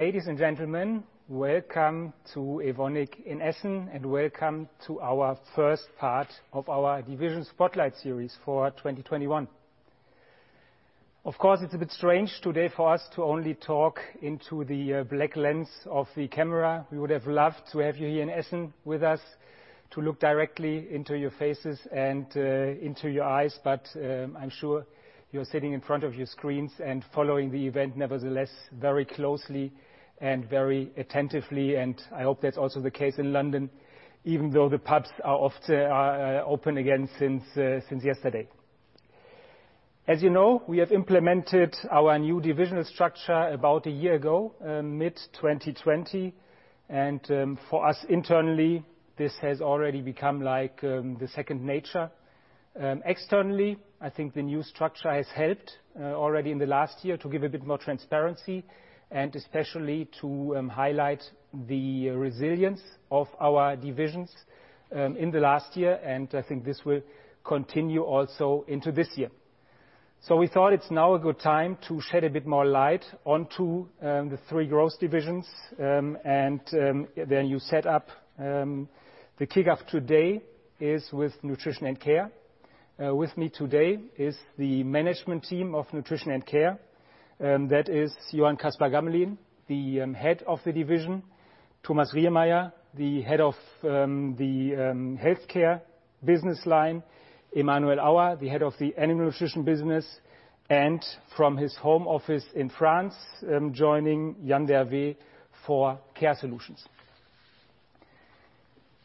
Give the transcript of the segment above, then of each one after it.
Ladies and gentlemen, welcome to Evonik in Essen, and welcome to our first part of our Division Spotlight series for 2021. Of course, it's a bit strange today for us to only talk into the black lens of the camera. We would have loved to have you here in Essen with us to look directly into your faces and into your eyes. I'm sure you're sitting in front of your screens and following the event nevertheless very closely and very attentively, and I hope that's also the case in London, even though the pubs are open again since yesterday. As you know, we have implemented our new divisional structure about a year ago, mid-2020, for us internally, this has already become like the second nature. Externally, I think the new structure has helped already in the last year to give a bit more transparency and especially to highlight the resilience of our divisions in the last year, and I think this will continue also into this year. We thought it's now a good time to shed a bit more light onto the three growth divisions. The kick off today is with Nutrition & Care. With me today is the Management Team of Nutrition & Care, that is Johann-Caspar Gammelin, the Head of the Division, Thomas Riermeier, the Head of the Health Care Business Line, Emmanuel Auer, the Head of the Animal Nutrition Business, and from his home office in France, joining Yann d'Hervé for Care Solutions.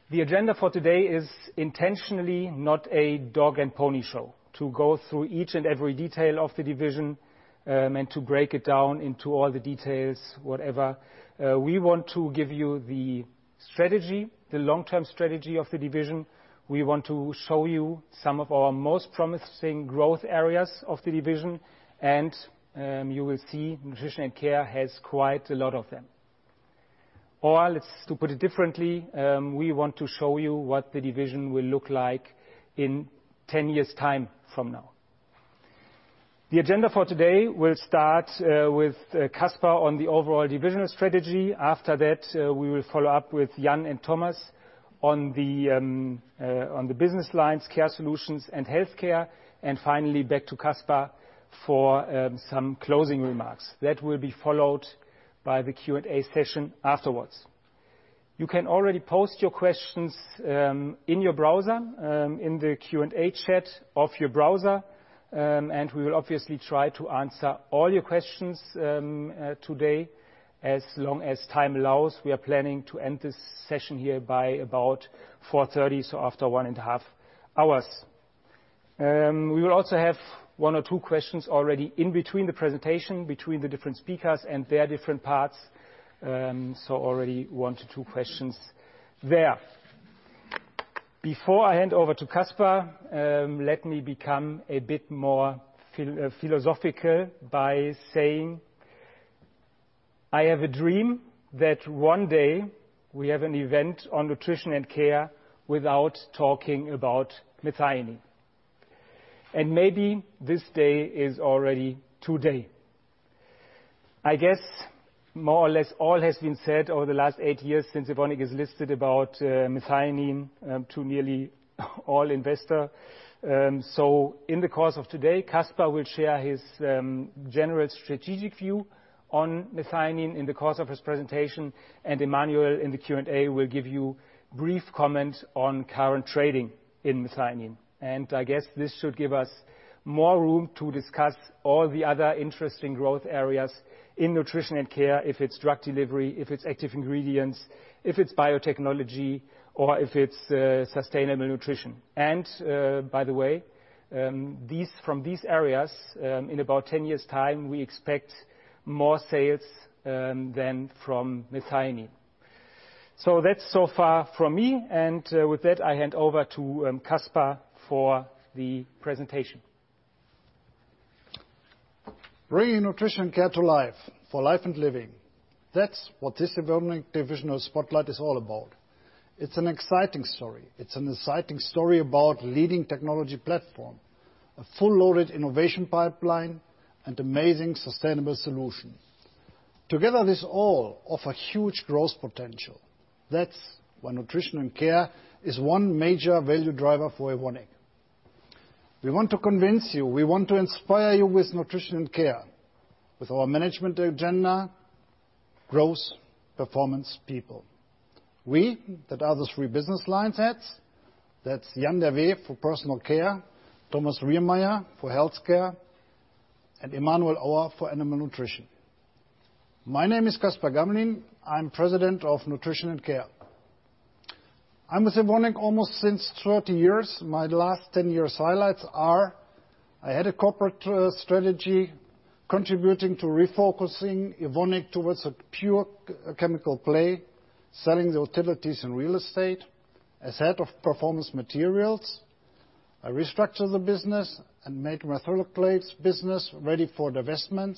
The agenda for today is intentionally not a dog and pony show to go through each and every detail of the division, and to break it down into all the details, whatever. We want to give you the strategy, the long-term strategy of the division. We want to show you some of our most promising growth areas of the division, and you will see Nutrition & Care has quite a lot of them. Let's, to put it differently, we want to show you what the division will look like in 10 years' time from now. The agenda for today will start with Caspar on the overall divisional strategy. After that, we will follow up with Yann and Thomas on the Business lines, Care Solutions and Health Care, and finally back to Caspar for some closing remarks. That will be followed by the Q&A session afterwards. You can already post your questions in your browser, in the Q&A chat of your browser, We will obviously try to answer all your questions today as long as time allows. We are planning to end this session here by about 4:30, so after one and a half hours. We will also have one or two questions already in between the presentation, between the different speakers and their different parts, so already one to two questions there. Before I hand over to Caspar, let me become a bit more philosophical by saying I have a dream that one day we have an event on Nutrition & Care without talking about methionine. Maybe this day is already today. I guess more or less all has been said over the last eight years since Evonik is listed about, methionine to nearly all investor. In the course of today, Caspar will share his general strategic view on methionine in the course of his presentation, and Emmanuel in the Q&A will give you brief comment on current trading in methionine. I guess this should give us more room to discuss all the other interesting growth areas in Nutrition & Care, if it's drug delivery, if it's active ingredients, if it's biotechnology, or if it's sustainable nutrition. By the way, from these areas, in about 10 years' time, we expect more sales than from methionine. That's so far from me and with that, I hand over to Caspar for the presentation. Bringing Nutrition & Care to life for life and living. That's what this Evonik Divisional Spotlight is all about. It's an exciting story. It's an exciting story about leading technology platform, a full loaded innovation pipeline and amazing sustainable solution. Together this all offer huge growth potential. That's why Nutrition & Care is one major value driver for Evonik. We want to convince you, we want to inspire you with Nutrition & Care, with our management agenda, growth, performance, people. We, that are the three business line heads. That's Yann d'Hervé for Personal Care, Thomas Riermeier for Health Care and Emmanuel Auer for Animal Nutrition. My name is Caspar Gammelin, I'm President of Nutrition & Care. I'm with Evonik almost since 30 years. My last 10 years highlights are, I had a corporate strategy contributing to refocusing Evonik towards a pure chemical play, selling the utilities and real estate. As Head of Performance Materials, I restructured the business and made methacrylate business ready for divestment.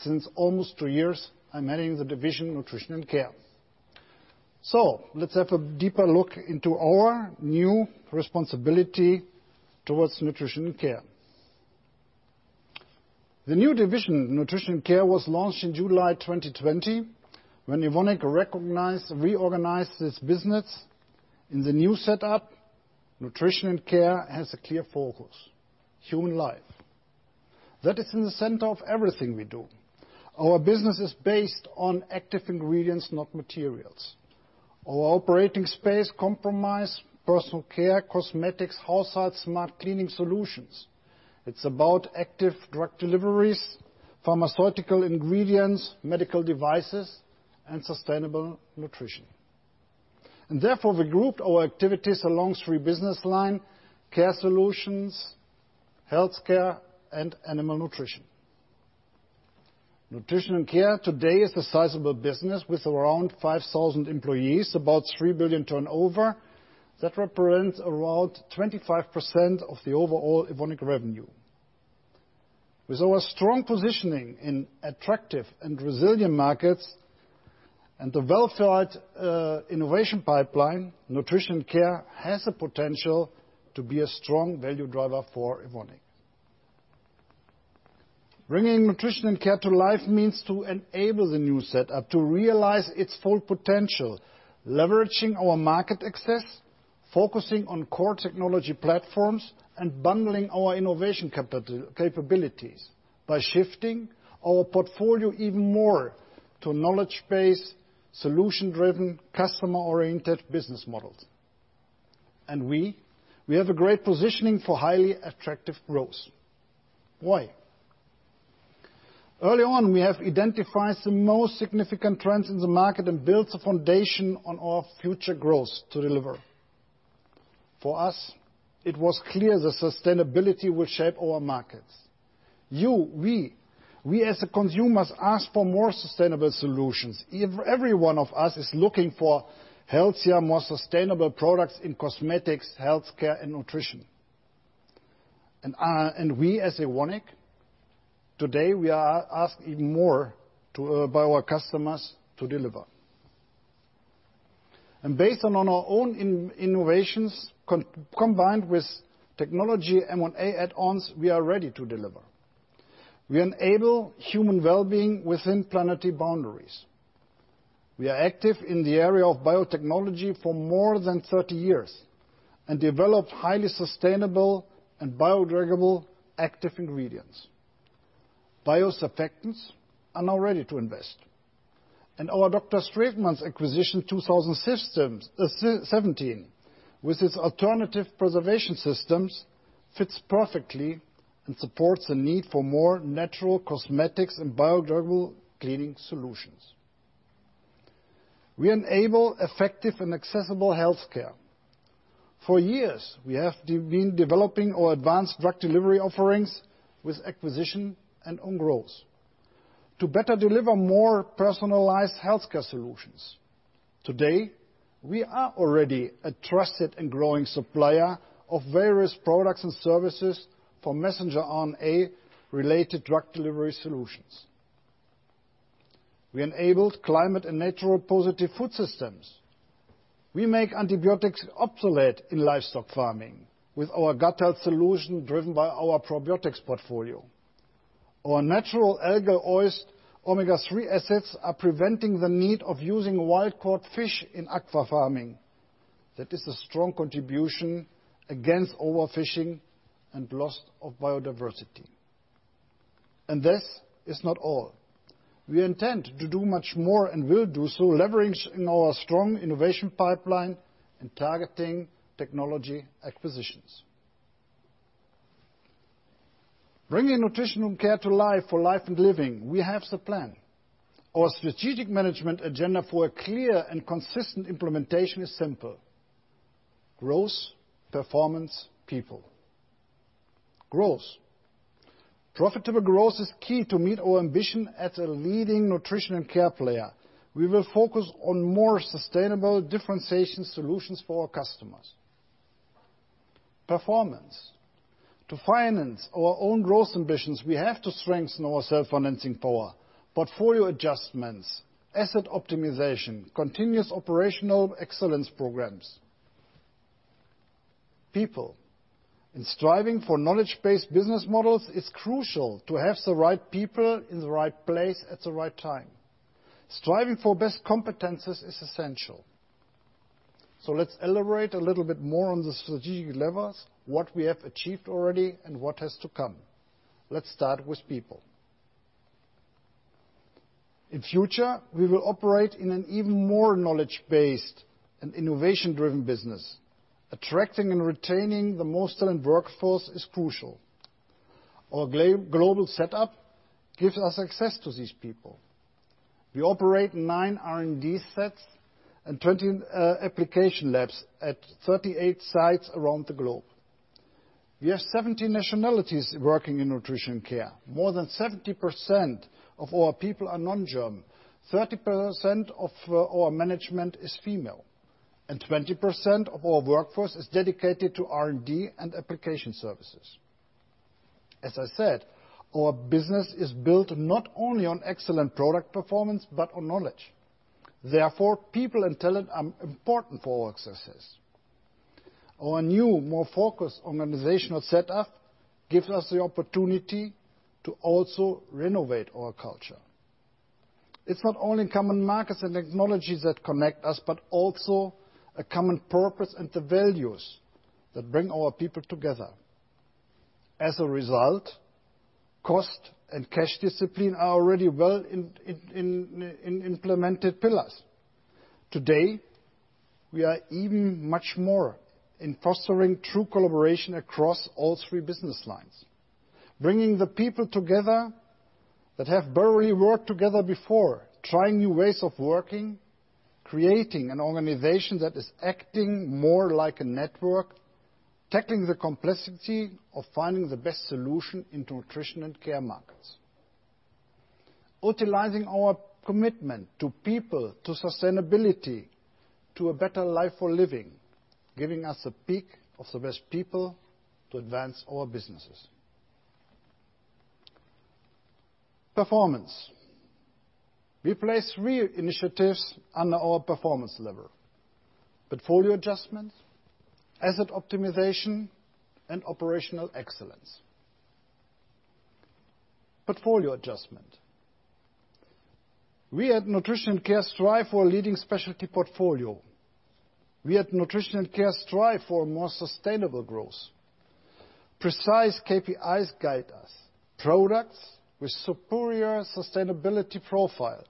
Since almost two years, I'm heading the division, Nutrition & Care. Let's have a deeper look into our new responsibility towards Nutrition & Care. The new division, Nutrition & Care, was launched in July 2020 when Evonik reorganized its business. In the new setup, Nutrition & Care has a clear focus, human life. That is in the center of everything we do. Our business is based on active ingredients, not materials. Our operating space comprise personal care, cosmetics, household smart cleaning solutions. It's about active drug deliveries, pharmaceutical ingredients, medical devices, and sustainable nutrition. Therefore, we grouped our activities along three business line, Care Solutions, Health Care, and Animal Nutrition. Nutrition & Care today is the sizable business with around 5,000 employees, about 3 billion turnover. That represents around 25% of the overall Evonik revenue. With our strong positioning in attractive and resilient markets and developed innovation pipeline, Nutrition & Care has the potential to be a strong value driver for Evonik. Bringing Nutrition & Care to life means to enable the new setup to realize its full potential, leveraging our market access, focusing on core technology platforms, and bundling our innovation capabilities by shifting our portfolio even more to knowledge-based, solution-driven, customer-oriented business models. We have a great positioning for highly attractive growth. Why? Early on, we have identified the most significant trends in the market and built a foundation on our future growth to deliver. For us, it was clear that sustainability will shape our markets. You, we as the consumers, ask for more sustainable solutions. Every one of us is looking for healthier, more sustainable products in cosmetics, healthcare, and nutrition. We, as Evonik, today, we are asked even more by our customers to deliver. Based on our own innovations combined with technology M&A add-ons, we are ready to deliver. We enable human wellbeing within planetary boundaries. We are active in the area of biotechnology for more than 30 years and developed highly sustainable and biodegradable active ingredients. Biosurfactants are now ready to invest. Our Dr. Straetmans acquisition 2017, with its alternative preservation systems, fits perfectly and supports the need for more natural cosmetics and biodegradable cleaning solutions. We enable effective and accessible healthcare. For years, we have been developing our advanced drug delivery offerings with acquisition and own growth to better deliver more personalized healthcare solutions. Today, we are already a trusted and growing supplier of various products and services for messenger RNA-related drug delivery solutions. We enabled climate and natural positive food systems. We make antibiotics obsolete in livestock farming with our gut health solution driven by our probiotics portfolio. Our natural algae oil omega-3 assets are preventing the need of using wild-caught fish in aqua farming. That is a strong contribution against overfishing and loss of biodiversity. This is not all. We intend to do much more and will do so, leveraging our strong innovation pipeline and targeting technology acquisitions. Bringing Nutrition & Care to life for life and living, we have the plan. Our strategic management agenda for a clear and consistent implementation is simple: growth, performance, people. Growth. Profitable growth is key to meet our ambition as a leading Nutrition & Care player. We will focus on more sustainable differentiation solutions for our customers. Performance. To finance our own growth ambitions, we have to strengthen our self-financing power, portfolio adjustments, asset optimization, continuous operational excellence programs. People. In striving for knowledge-based business models, it is crucial to have the right people in the right place at the right time. Striving for best competencies is essential. Let's elaborate a little bit more on the strategic levers, what we have achieved already and what has to come. Let's start with people. In future, we will operate in an even more knowledge-based and innovation-driven business. Attracting and retaining the most talent workforce is crucial. Our global setup gives us access to these people. We operate nine R&D sites and 20 application labs at 38 sites around the globe. We have 70 nationalities working in Nutrition & Care. More than 70% of our people are non-German. 30% of our management is female, and 20% of our workforce is dedicated to R&D and application services. As I said, our business is built not only on excellent product performance but on knowledge. Therefore, people and talent are important for our success. Our new, more focused organizational setup gives us the opportunity to also renovate our culture. It's not only common markets and technologies that connect us, but also a common purpose and the values that bring our people together. As a result, cost and cash discipline are already well-implemented pillars. Today, we are even much more in fostering true collaboration across all three business lines, bringing the people together that have barely worked together before, trying new ways of working, creating an organization that is acting more like a network, tackling the complexity of finding the best solution in Nutrition & Care markets. Utilizing our commitment to people, to sustainability, to a better life for living, giving us a pick of the best people to advance our businesses. Performance. We place three initiatives under our performance level. Portfolio adjustment, asset optimization, and operational excellence. Portfolio adjustment. We at Nutrition & Care strive for a leading specialty portfolio. We at Nutrition & Care strive for a more sustainable growth. Precise KPIs guide us. Products with superior sustainability profile,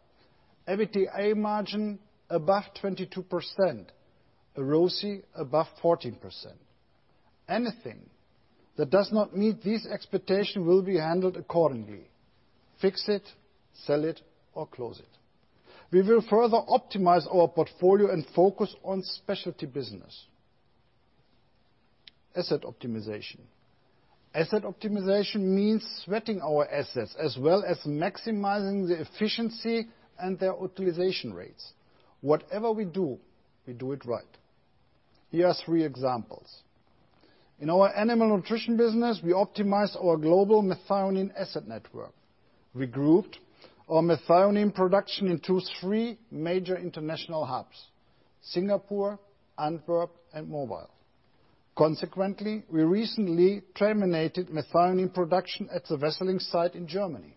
EBITDA margin above 22%, a ROCE above 14%. Anything that does not meet these expectations will be handled accordingly. Fix it, sell it, or close it. We will further optimize our portfolio and focus on specialty business. Asset optimization. Asset optimization means sweating our assets as well as maximizing the efficiency and their utilization rates. Whatever we do, we do it right. Here are three examples. In our Animal Nutrition business, we optimize our global methionine asset network. We grouped our methionine production into three major international hubs: Singapore, Antwerp, and Mobile. Consequently, we recently terminated methionine production at the Wesseling site in Germany.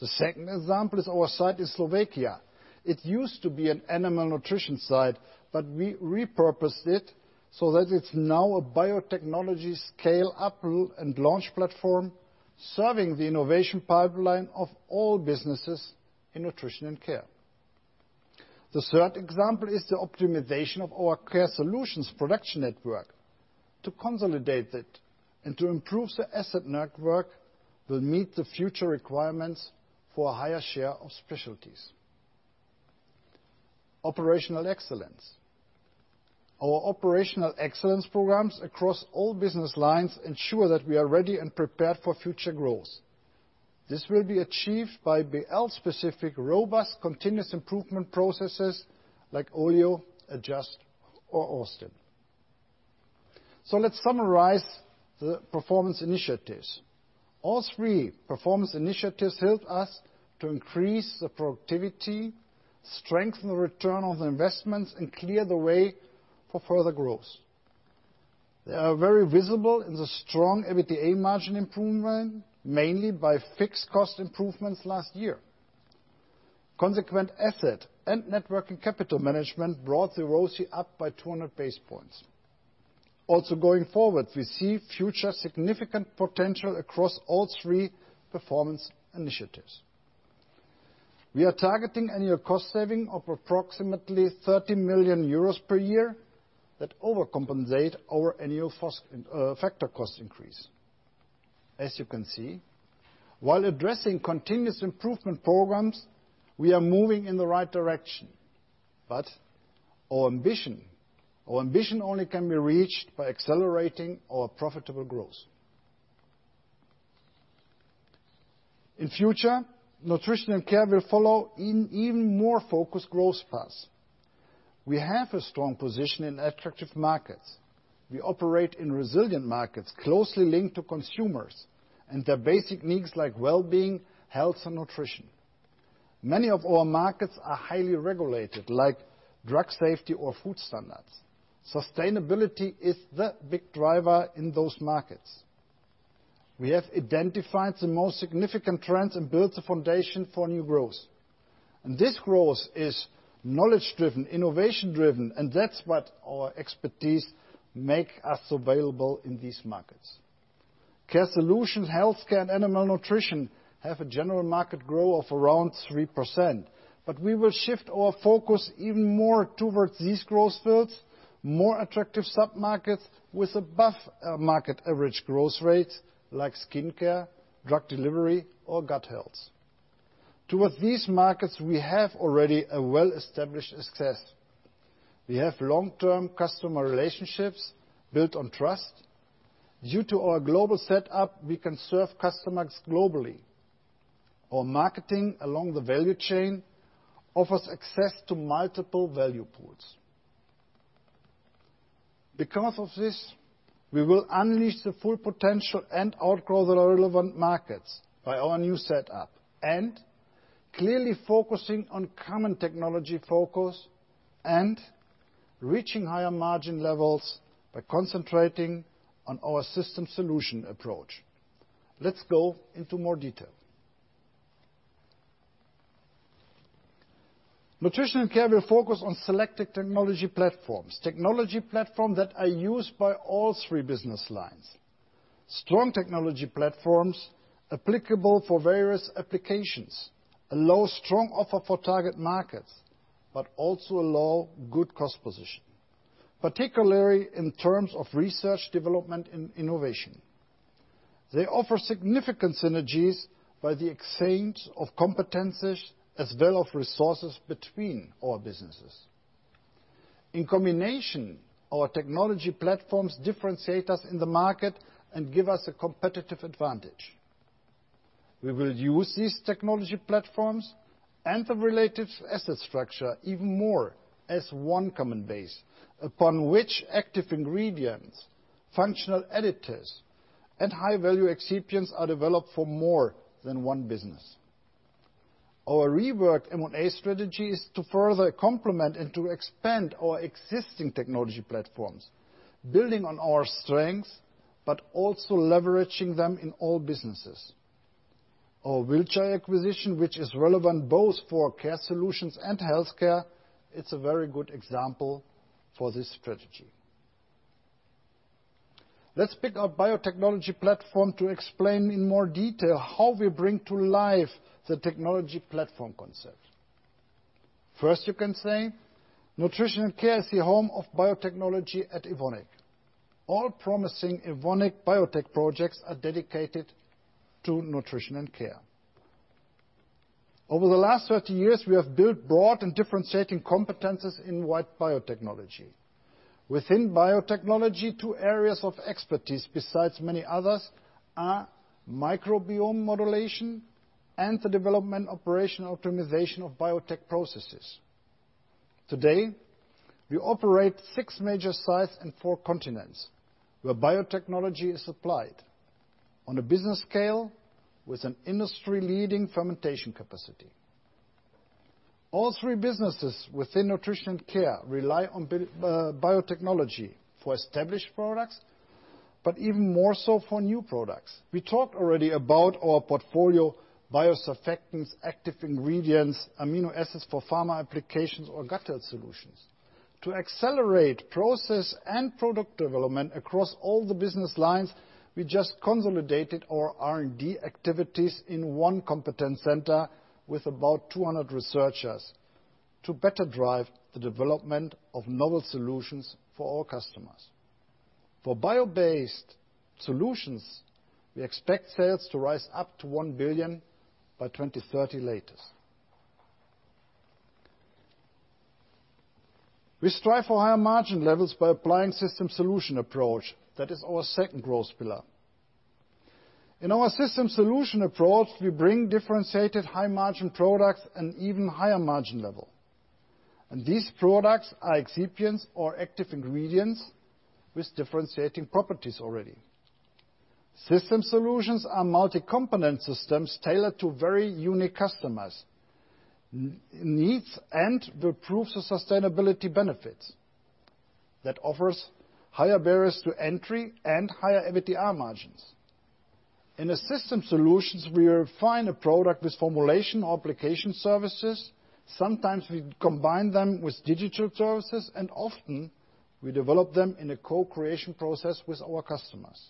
The second example is our site in Slovakia. It used to be an Animal Nutrition site, but we repurposed it so that it is now a biotechnology scale-up and launch platform serving the innovation pipeline of all businesses in Nutrition & Care. The third example is the optimization of our Care Solutions production network. To consolidate it and to improve the asset network will meet the future requirements for a higher share of specialties. Operational excellence. Our operational excellence programs across all business lines ensure that we are ready and prepared for future growth. This will be achieved by BL specific, robust, continuous improvement processes like OYO, Adjust, or Austin. Let's summarize the performance initiatives. All three performance initiatives help us to increase the productivity, strengthen the return on the investments, and clear the way for further growth. They are very visible in the strong EBITDA margin improvement, mainly by fixed cost improvements last year. Consequent asset and network and capital management brought the ROCE up by 200 basis points. Going forward, we see future significant potential across all three performance initiatives. We are targeting annual cost saving of approximately 30 million euros per year that overcompensate our annual factor cost increase. As you can see, while addressing continuous improvement programs, we are moving in the right direction. Our ambition only can be reached by accelerating our profitable growth. In future, Nutrition & Care will follow an even more focused growth path. We have a strong position in attractive markets. We operate in resilient markets closely linked to consumers and their basic needs like well-being, health, and nutrition. Many of our markets are highly regulated, like drug safety or food standards. Sustainability is the big driver in those markets. We have identified the most significant trends and built the foundation for new growth. This growth is knowledge-driven, innovation-driven, and that's what our expertise make us available in these markets. Care Solutions, Health Care, and Animal Nutrition have a general market growth of around 3%, but we will shift our focus even more towards these growth fields, more attractive sub-markets with above market average growth rates like skincare, drug delivery, or gut health. Towards these markets, we have already a well-established success. We have long-term customer relationships built on trust. Due to our global setup, we can serve customers globally. Our marketing along the value chain offers access to multiple value pools. Because of this, we will unleash the full potential and outgrow the relevant markets by our new setup and clearly focusing on common technology focus and reaching higher margin levels by concentrating on our system solution approach. Let's go into more detail. Nutrition & Care will focus on selected technology platforms, technology platforms that are used by all three business lines. Strong technology platforms applicable for various applications allow strong offer for target markets, but also allow good cost position, particularly in terms of research, development, and innovation. They offer significant synergies by the exchange of competencies as well as resources between our businesses. In combination, our technology platforms differentiate us in the market and give us a competitive advantage. We will use these technology platforms and the related asset structure even more as one common base upon which active ingredients, functional additives, and high-value excipients are developed for more than one business. Our reworked M&A strategy is to further complement and to expand our existing technology platforms, building on our strengths, also leveraging them in all businesses. Our Wilshire acquisition, which is relevant both for Care Solutions and Health Care, it's a very good example for this strategy. Let's pick our biotechnology platform to explain in more detail how we bring to life the technology platform concept. First, you can say Nutrition & Care is the home of biotechnology at Evonik. All promising Evonik biotech projects are dedicated to Nutrition & Care. Over the last 30 years, we have built broad and differentiating competencies in white biotechnology. Within biotechnology, two areas of expertise, besides many others, are microbiome modulation and the development operational optimization of biotech processes. Today, we operate six major sites in four continents where biotechnology is applied on a business scale with an industry-leading fermentation capacity. All three businesses within Nutrition & Care rely on biotechnology for established products, but even more so for new products. We talked already about our portfolio biosurfactants, active ingredients, amino acids for pharma applications or gut health solutions. To accelerate process and product development across all the business lines, we just consolidated our R&D activities in one competence center with about 200 researchers to better drive the development of novel solutions for our customers. For bio-based solutions, we expect sales to rise up to 1 billion by 2030 latest. We strive for higher margin levels by applying system solution approach. That is our second growth pillar. In our system solution approach, we bring differentiated high-margin products and even higher margin level. These products are excipients or active ingredients with differentiating properties already. System solutions are multi-component systems tailored to very unique customers' needs and will prove the sustainability benefits that offers higher barriers to entry and higher EBITDA margins. In system solutions, we will find a product with formulation or application services. Sometimes we combine them with digital services, and often we develop them in a co-creation process with our customers,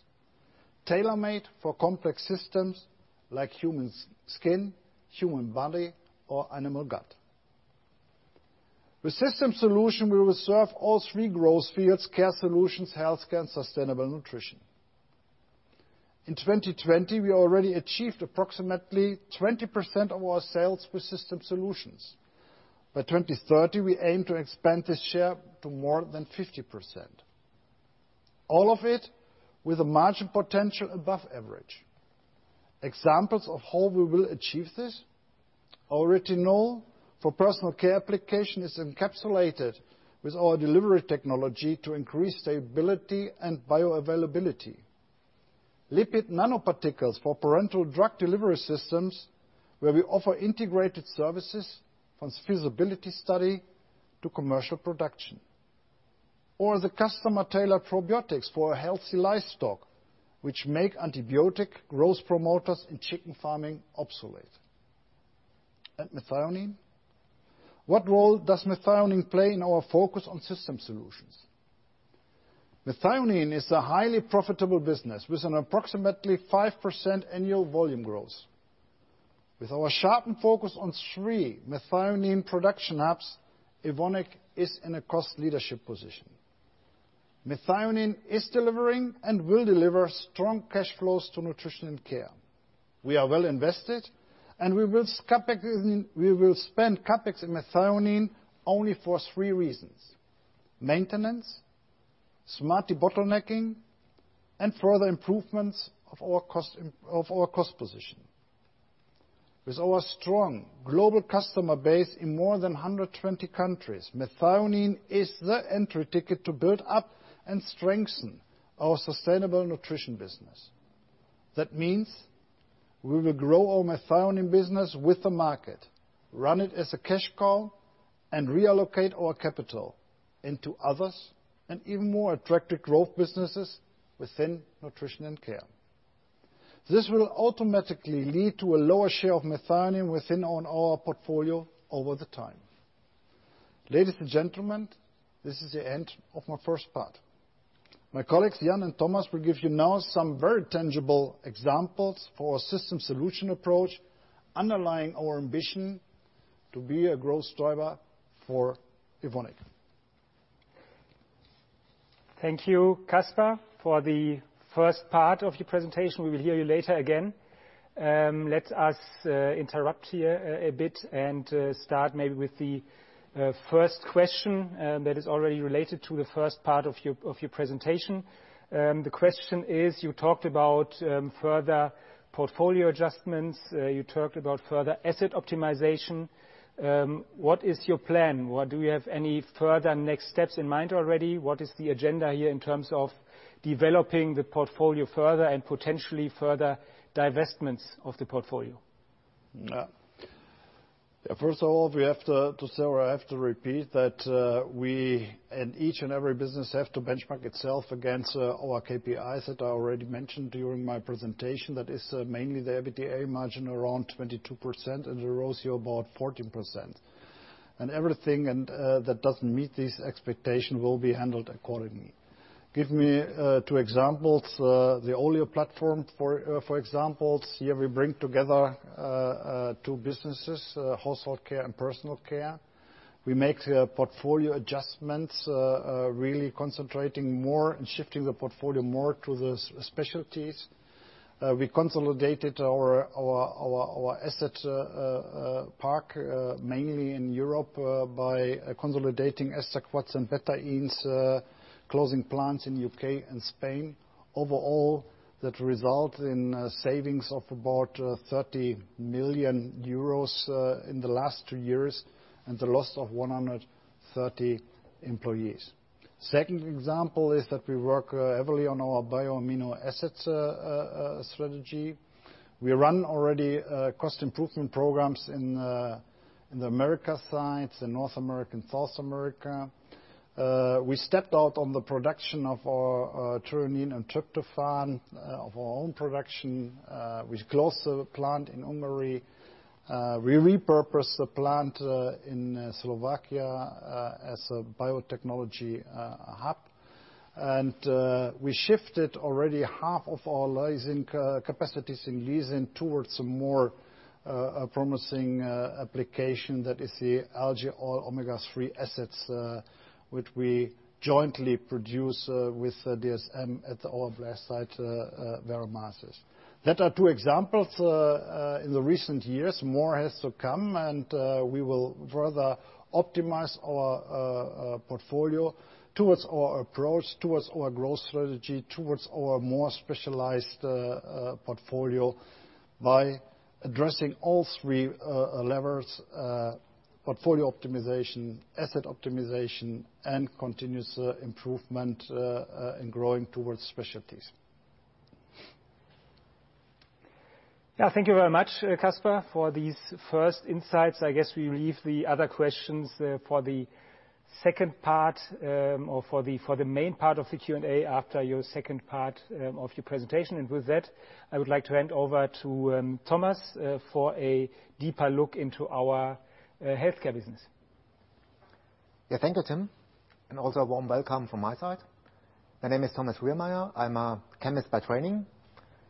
tailor-made for complex systems like human skin, human body, or animal gut. With system solution, we will serve all three growth fields, Care Solutions, Health Care, and Sustainable Nutrition. In 2020, we already achieved approximately 20% of our sales with system solutions. By 2030, we aim to expand this share to more than 50%. All of it with a margin potential above average. Examples of how we will achieve this, our retinol for personal care application is encapsulated with our delivery technology to increase stability and bioavailability. Lipid nanoparticles for parenteral drug delivery systems where we offer integrated services from feasibility study to commercial production. The customer-tailored probiotics for a healthy livestock, which make antibiotic growth promoters in chicken farming obsolete. Methionine. What role does methionine play in our focus on system solutions? Methionine is a highly profitable business with an approximately 5% annual volume growth. With our sharpened focus on three methionine production hubs, Evonik is in a cost leadership position. Methionine is delivering and will deliver strong cash flows to Nutrition & Care. We are well invested, we will spend CapEx in methionine only for three reasons: maintenance, smart de-bottlenecking, and further improvements of our cost position. With our strong global customer base in more than 120 countries, methionine is the entry ticket to build up and strengthen our sustainable nutrition business. That means we will grow our methionine business with the market, run it as a cash cow, and reallocate our capital into others and even more attractive growth businesses within Nutrition & Care. This will automatically lead to a lower share of methionine within our portfolio over the time. Ladies and gentlemen, this is the end of my first part. My colleagues Yann and Thomas will give you now some very tangible examples for a system solution approach, underlying our ambition to be a growth driver for Evonik. Thank you, Caspar, for the first part of your presentation. We will hear you later again. Let us interrupt here a bit and start maybe with the first question that is already related to the first part of your presentation. The question is, you talked about further portfolio adjustments. You talked about further asset optimization. What is your plan? Do you have any further next steps in mind already? What is the agenda here in terms of developing the portfolio further and potentially further divestments of the portfolio? First of all, we have to say, or I have to repeat, that we, in each and every business, have to benchmark itself against our KPIs that I already mentioned during my presentation. That is mainly the EBITDA margin around 22% and the ROCE about 14%. Everything that doesn't meet these expectations will be handled accordingly. Give me two examples. The oleo platform, for example. Here, we bring together two businesses, household care and personal care. We make portfolio adjustments, really concentrating more and shifting the portfolio more to the specialties. We consolidated our asset park, mainly in Europe, by consolidating ester quats and betaines, closing plants in U.K. and Spain. Overall, that result in savings of about 30 million euros in the last two years and the loss of 130 employees. Second example is that we work heavily on our bio amino acids strategy. We run already cost improvement programs in the Americas side, the North America and South America. We stepped out on the production of our threonine and tryptophan of our own production. We closed the plant in Hungary. We repurposed the plant in Slovakia as a biotechnology hub. We shifted already half of our lysine capacities in lysine towards more promising application. That is the algae oil omega-3 assets, which we jointly produce with DSM at our Blair site, Veramaris. That are two examples in the recent years. More has to come, and we will further optimize our portfolio towards our approach, towards our growth strategy, towards our more specialized portfolio by addressing all three levers: portfolio optimization, asset optimization, and continuous improvement in growing towards specialties. Yeah, thank you very much, Caspar, for these first insights. I guess we leave the other questions for the second part, or for the main part of the Q&A after your second part of your presentation. With that, I would like to hand over to Thomas for a deeper look into our Health Care business. Yeah, thank you, Tim. Also a warm welcome from my side. My name is Thomas Riermeier. I'm a chemist by training.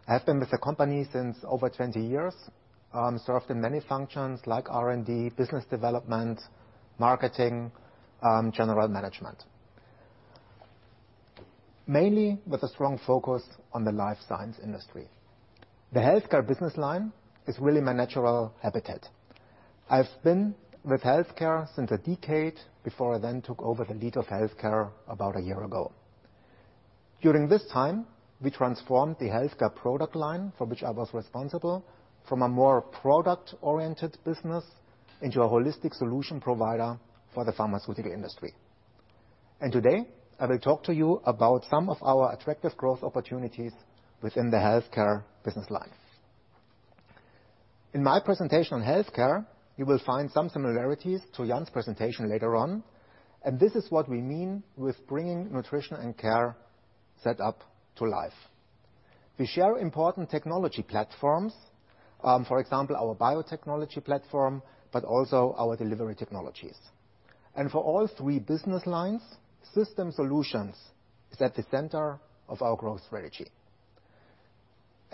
I have been with the company since over 20 years. Served in many functions like R&D, business development, marketing, general management. Mainly with a strong focus on the life science industry. The Health Care business line is really my natural habitat. I've been with Health Care since a decade before I then took over the lead of Health Care about a year ago. During this time, we transformed the Health Care product line, for which I was responsible, from a more product-oriented business into a holistic solution provider for the pharmaceutical industry. Today, I will talk to you about some of our attractive growth opportunities within the Health Care business line. In my presentation on Health Care, you will find some similarities to Yann's presentation later on. This is what we mean with bringing Nutrition & Care setup to life. We share important technology platforms. For example, our biotechnology platform, but also our delivery technologies. For all three business lines, system solutions is at the center of our growth strategy.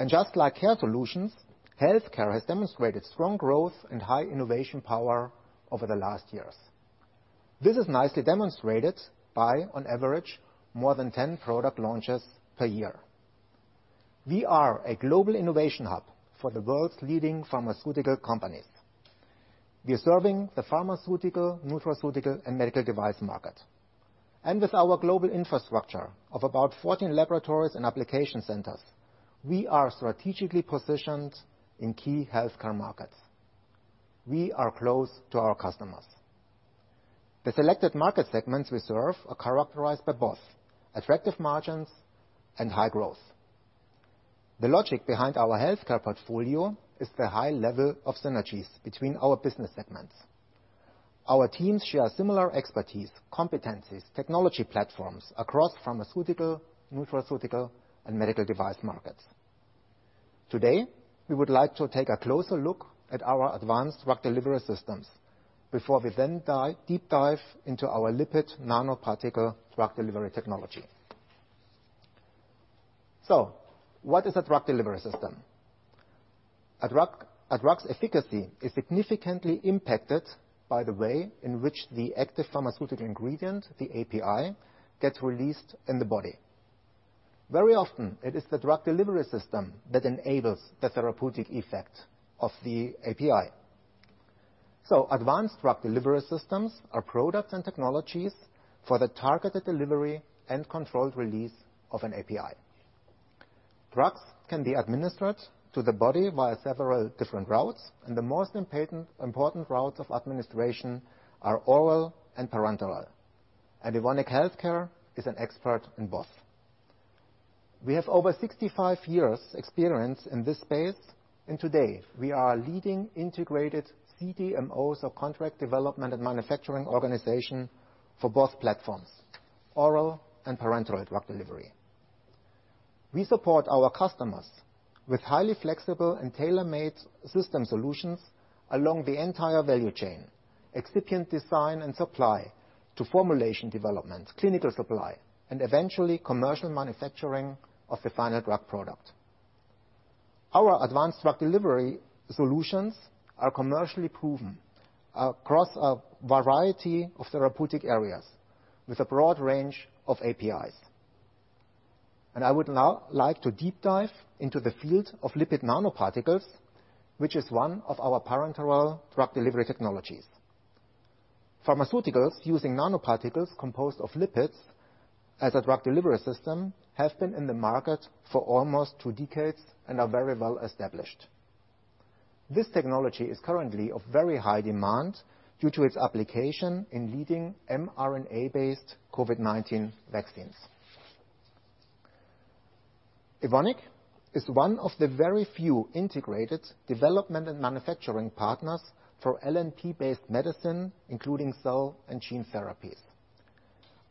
Just like Care Solutions, Health Care has demonstrated strong growth and high innovation power over the last years. This is nicely demonstrated by, on average, more than 10 product launches per year. We are a global innovation hub for the world's leading pharmaceutical companies. We are serving the pharmaceutical, nutraceutical, and medical device market. With our global infrastructure of about 14 laboratories and application centers, we are strategically positioned in key health care markets. We are close to our customers. The selected market segments we serve are characterized by both attractive margins and high growth. The logic behind our healthcare portfolio is the high level of synergies between our business segments. Our teams share similar expertise, competencies, technology platforms across pharmaceutical, nutraceutical, and medical device markets. Today, we would like to take a closer look at our advanced drug delivery systems before we then deep dive into our lipid nanoparticle drug delivery technology. What is a drug delivery system? A drug's efficacy is significantly impacted by the way in which the active pharmaceutical ingredient, the API, gets released in the body. Very often, it is the drug delivery system that enables the therapeutic effect of the API. Advanced drug delivery systems are products and technologies for the targeted delivery and controlled release of an API. Drugs can be administered to the body via several different routes, and the most important routes of administration are oral and parenteral. Evonik Health Care is an expert in both. We have over 65 years experience in this space, and today we are a leading integrated CDMO, so contract development and manufacturing organization, for both platforms, oral and parenteral drug delivery. We support our customers with highly flexible and tailor-made system solutions along the entire value chain, excipient design and supply to formulation development, clinical supply, and eventually commercial manufacturing of the final drug product. Our advanced drug delivery solutions are commercially proven across a variety of therapeutic areas with a broad range of APIs. I would now like to deep dive into the field of lipid nanoparticles, which is one of our parenteral drug delivery technologies. Pharmaceuticals using nanoparticles composed of lipids as a drug delivery system have been in the market for almost two decades and are very well established. This technology is currently of very high demand due to its application in leading mRNA-based COVID-19 vaccines. Evonik is one of the very few integrated development and manufacturing partners for LNP-based medicine, including cell and gene therapies.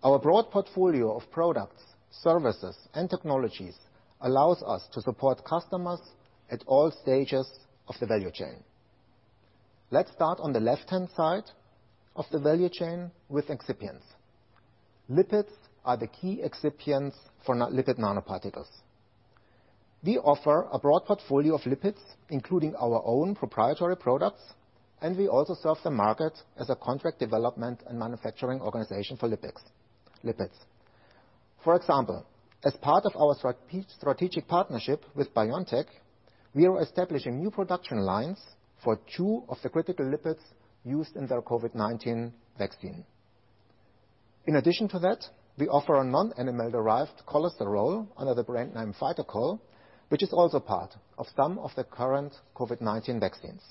Our broad portfolio of products, services, and technologies allows us to support customers at all stages of the value chain. Let's start on the left-hand side of the value chain with excipients. Lipids are the key excipients for lipid nanoparticles. We offer a broad portfolio of lipids, including our own proprietary products, and we also serve the market as a contract development and manufacturing organization for lipids. For example, as part of our strategic partnership with BioNTech, we are establishing new production lines for two of the critical lipids used in their COVID-19 vaccine. In addition to that, we offer a non-animal-derived cholesterol under the brand name PhytoChol, which is also part of some of the current COVID-19 vaccines.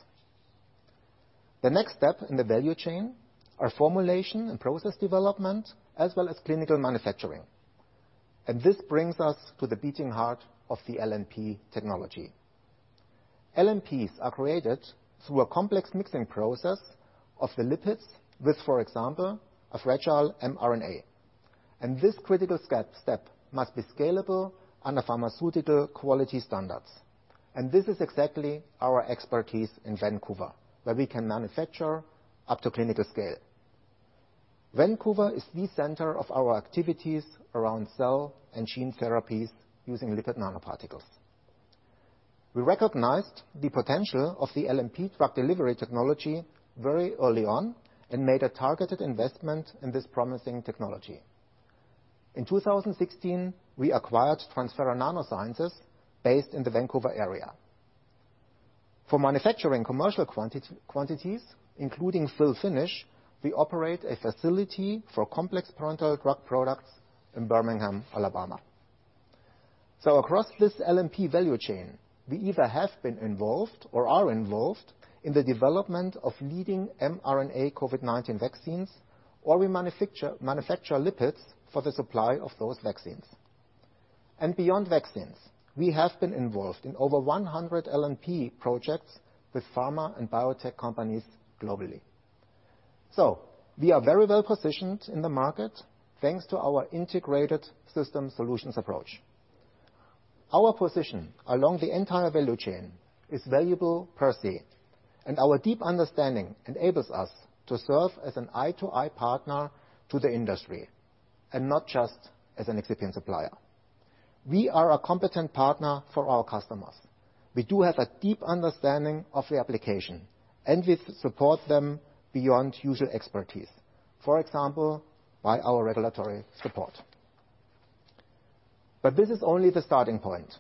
The next step in the value chain are formulation and process development, as well as clinical manufacturing. This brings us to the beating heart of the LNP technology. LNPs are created through a complex mixing process of the lipids with, for example, a fragile mRNA. This critical step must be scalable under pharmaceutical quality standards. This is exactly our expertise in Vancouver, where we can manufacture up to clinical scale. Vancouver is the center of our activities around cell and gene therapies using lipid nanoparticles. We recognized the potential of the LNP drug delivery technology very early on and made a targeted investment in this promising technology. In 2016, we acquired Transferra Nanosciences based in the Vancouver area. For manufacturing commercial quantities, including fill finish, we operate a facility for complex parenteral drug products in Birmingham, Alabama. Across this LNP value chain, we either have been involved or are involved in the development of leading mRNA COVID-19 vaccines, or we manufacture lipids for the supply of those vaccines. Beyond vaccines, we have been involved in over 100 LNP projects with pharma and biotech companies globally. We are very well positioned in the market thanks to our integrated system solutions approach. Our position along the entire value chain is valuable per se, and our deep understanding enables us to serve as an eye-to-eye partner to the industry and not just as an excipient supplier. We are a competent partner for our customers. We do have a deep understanding of the application, and we support them beyond usual expertise, for example, by our regulatory support. This is only the starting point.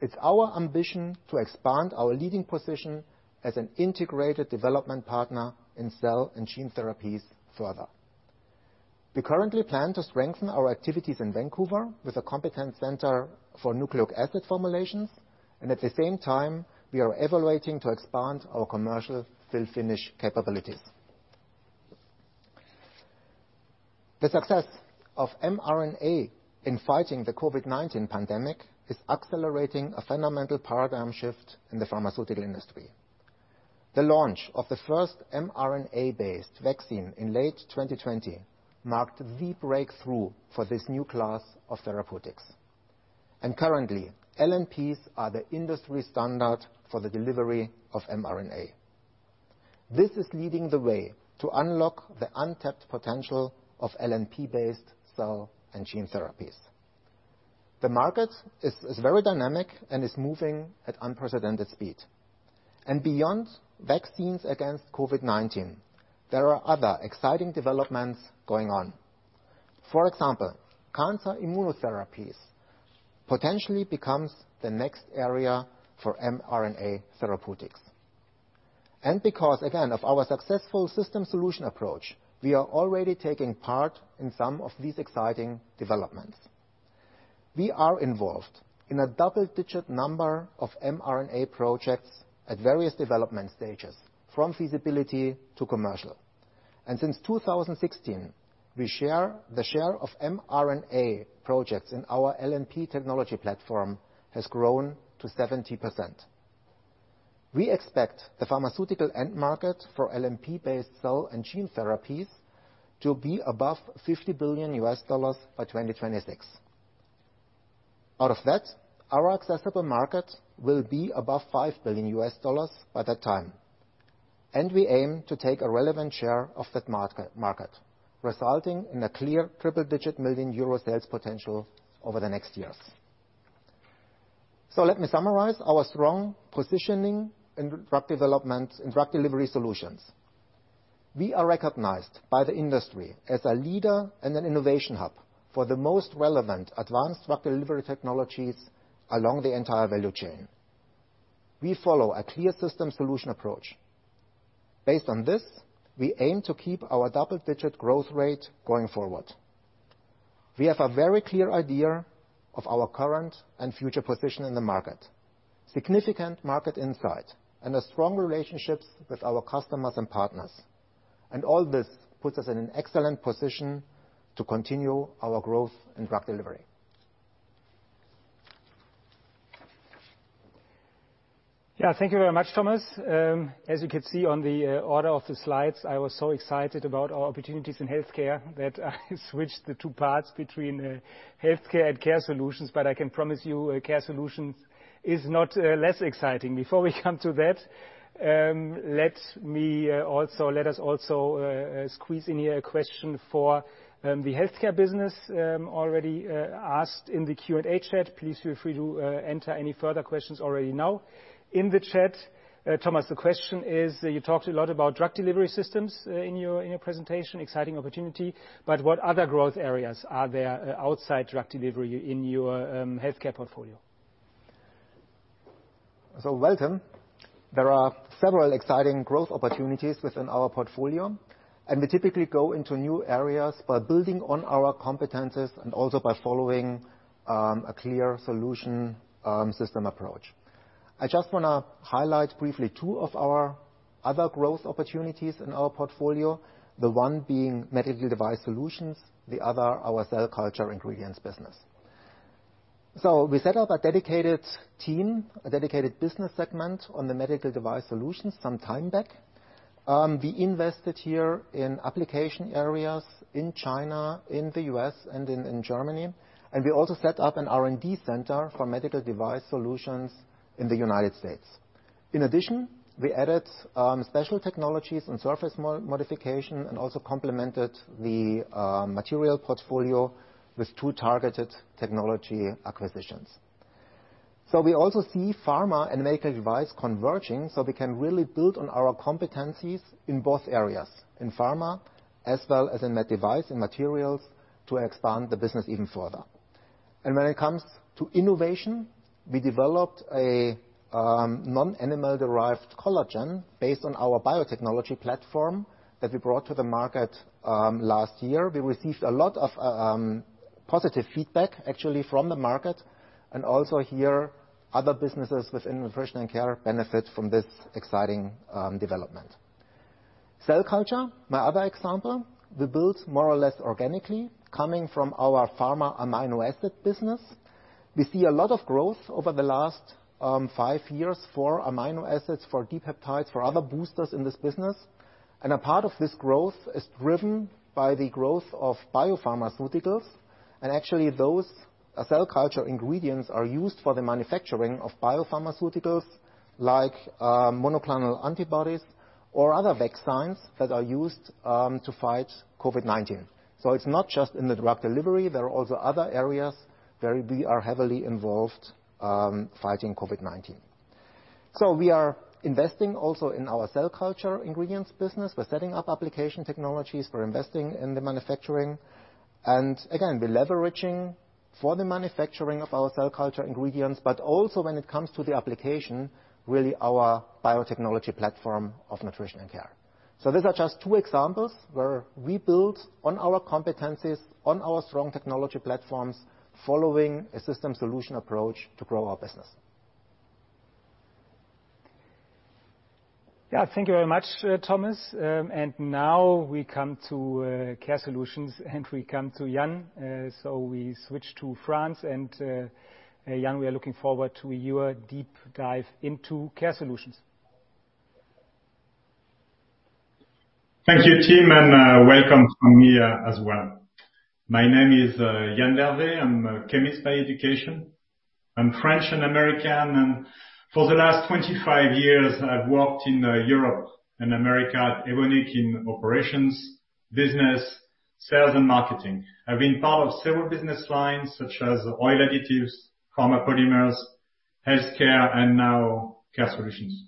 It's our ambition to expand our leading position as an integrated development partner in cell and gene therapies further. We currently plan to strengthen our activities in Vancouver with a competence center for nucleic acid formulations, and at the same time, we are evaluating to expand our commercial fill finish capabilities. The success of mRNA in fighting the COVID-19 pandemic is accelerating a fundamental paradigm shift in the pharmaceutical industry. The launch of the first mRNA-based vaccine in late 2020 marked the breakthrough for this new class of therapeutics. Currently, LNPs are the industry standard for the delivery of mRNA. This is leading the way to unlock the untapped potential of LNP-based cell and gene therapies. The market is very dynamic and is moving at unprecedented speed. Beyond vaccines against COVID-19, there are other exciting developments going on. For example, cancer immunotherapies potentially becomes the next area for mRNA therapeutics. Because, again, of our successful system solution approach, we are already taking part in some of these exciting developments. We are involved in a double-digit number of mRNA projects at various development stages, from feasibility to commercial. Since 2016, the share of mRNA projects in our LNP technology platform has grown to 70%. We expect the pharmaceutical end market for LNP-based cell and gene therapies to be above $50 billion by 2026. Out of that, our accessible market will be above $5 billion by that time, and we aim to take a relevant share of that market, resulting in a clear triple-digit million EUR sales potential over the next years. Let me summarize our strong positioning in drug development and drug delivery solutions. We are recognized by the industry as a leader and an innovation hub for the most relevant advanced drug delivery technologies along the entire value chain. We follow a clear system solution approach. Based on this, we aim to keep our double-digit growth rate going forward. We have a very clear idea of our current and future position in the market, significant market insight, and a strong relationships with our customers and partners. All this puts us in an excellent position to continue our growth in drug delivery. Thank you very much, Thomas. As you can see on the order of the slides, I was so excited about our opportunities in Health Care that I switched the two parts between Health Care and Care Solutions, but I can promise you Care Solutions is not less exciting. Before we come to that, let us also squeeze in here a question for the Health Care business, already asked in the Q&A chat. Please feel free to enter any further questions already now in the chat. Thomas, the question is, you talked a lot about drug delivery systems in your presentation, exciting opportunity, but what other growth areas are there outside drug delivery in your Health Care portfolio? Welcome. There are several exciting growth opportunities within our portfolio, and we typically go into new areas by building on our competencies and also by following a clear solution system approach. I just want to highlight briefly two of our other growth opportunities in our portfolio, the one being medical device solutions, the other our cell culture ingredients business. We set up a dedicated team, a dedicated business segment on the medical device solutions some time back. We invested here in application areas in China, in the U.S., and in Germany, and we also set up an R&D center for medical device solutions in the United States. In addition, we added special technologies and surface modification and also complemented the material portfolio with two targeted technology acquisitions. We also see pharma and medical device converging, so we can really build on our competencies in both areas, in pharma as well as in med device and materials to expand the business even further. When it comes to innovation, we developed a non-animal derived collagen based on our biotechnology platform that we brought to the market last year. We received a lot of positive feedback actually from the market and also here other businesses within Nutrition & Care benefit from this exciting development. Cell culture, my other example, we built more or less organically coming from our pharma amino acid business. We see a lot of growth over the last five years for amino acids, for dipeptides, for other boosters in this business. A part of this growth is driven by the growth of biopharmaceuticals. Actually, those cell culture ingredients are used for the manufacturing of biopharmaceuticals like monoclonal antibodies or other vaccines that are used to fight COVID-19. It's not just in the drug delivery. There are also other areas where we are heavily involved fighting COVID-19. We are investing also in our cell culture ingredients business. We're setting up application technologies. We're investing in the manufacturing. Again, we're leveraging for the manufacturing of our cell culture ingredients, but also when it comes to the application, really our biotechnology platform of Nutrition & Care. These are just two examples where we build on our competencies, on our strong technology platforms, following a system solution approach to grow our business. Yeah. Thank you very much, Thomas. Now we come to Care Solutions, and we come to Yann. We switch to France. Yann, we are looking forward to your deep dive into Care Solutions. Thank you, Tim, and welcome from me as well. My name is Yann d'Hervé. I'm a chemist by education. I'm French and American. For the last 25 years, I've worked in Europe and America at Evonik in operations, business, sales, and marketing. I've been part of several business lines such as oil additives, former polymers, Health Care, and now Care Solutions.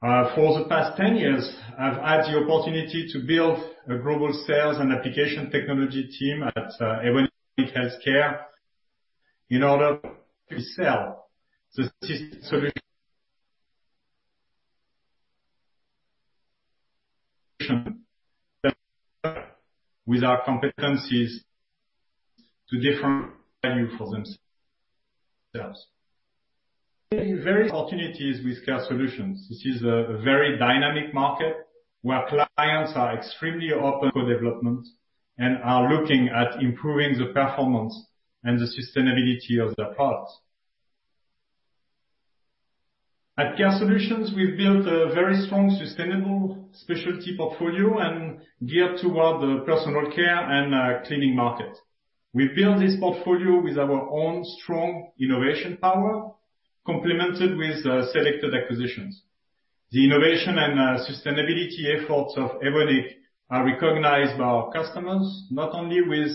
For the past 10 years, I've had the opportunity to build a global sales and application technology team at Evonik Health Care in order to sell the system solution with our competencies to different value for themselves. There are various opportunities with Care Solutions. This is a very dynamic market where clients are extremely open for development and are looking at improving the performance and the sustainability of their products. At Care Solutions, we've built a very strong, sustainable specialty portfolio and geared toward the personal care and cleaning market. We've built this portfolio with our own strong innovation power, complemented with selected acquisitions. The innovation and sustainability efforts of Evonik are recognized by our customers, not only with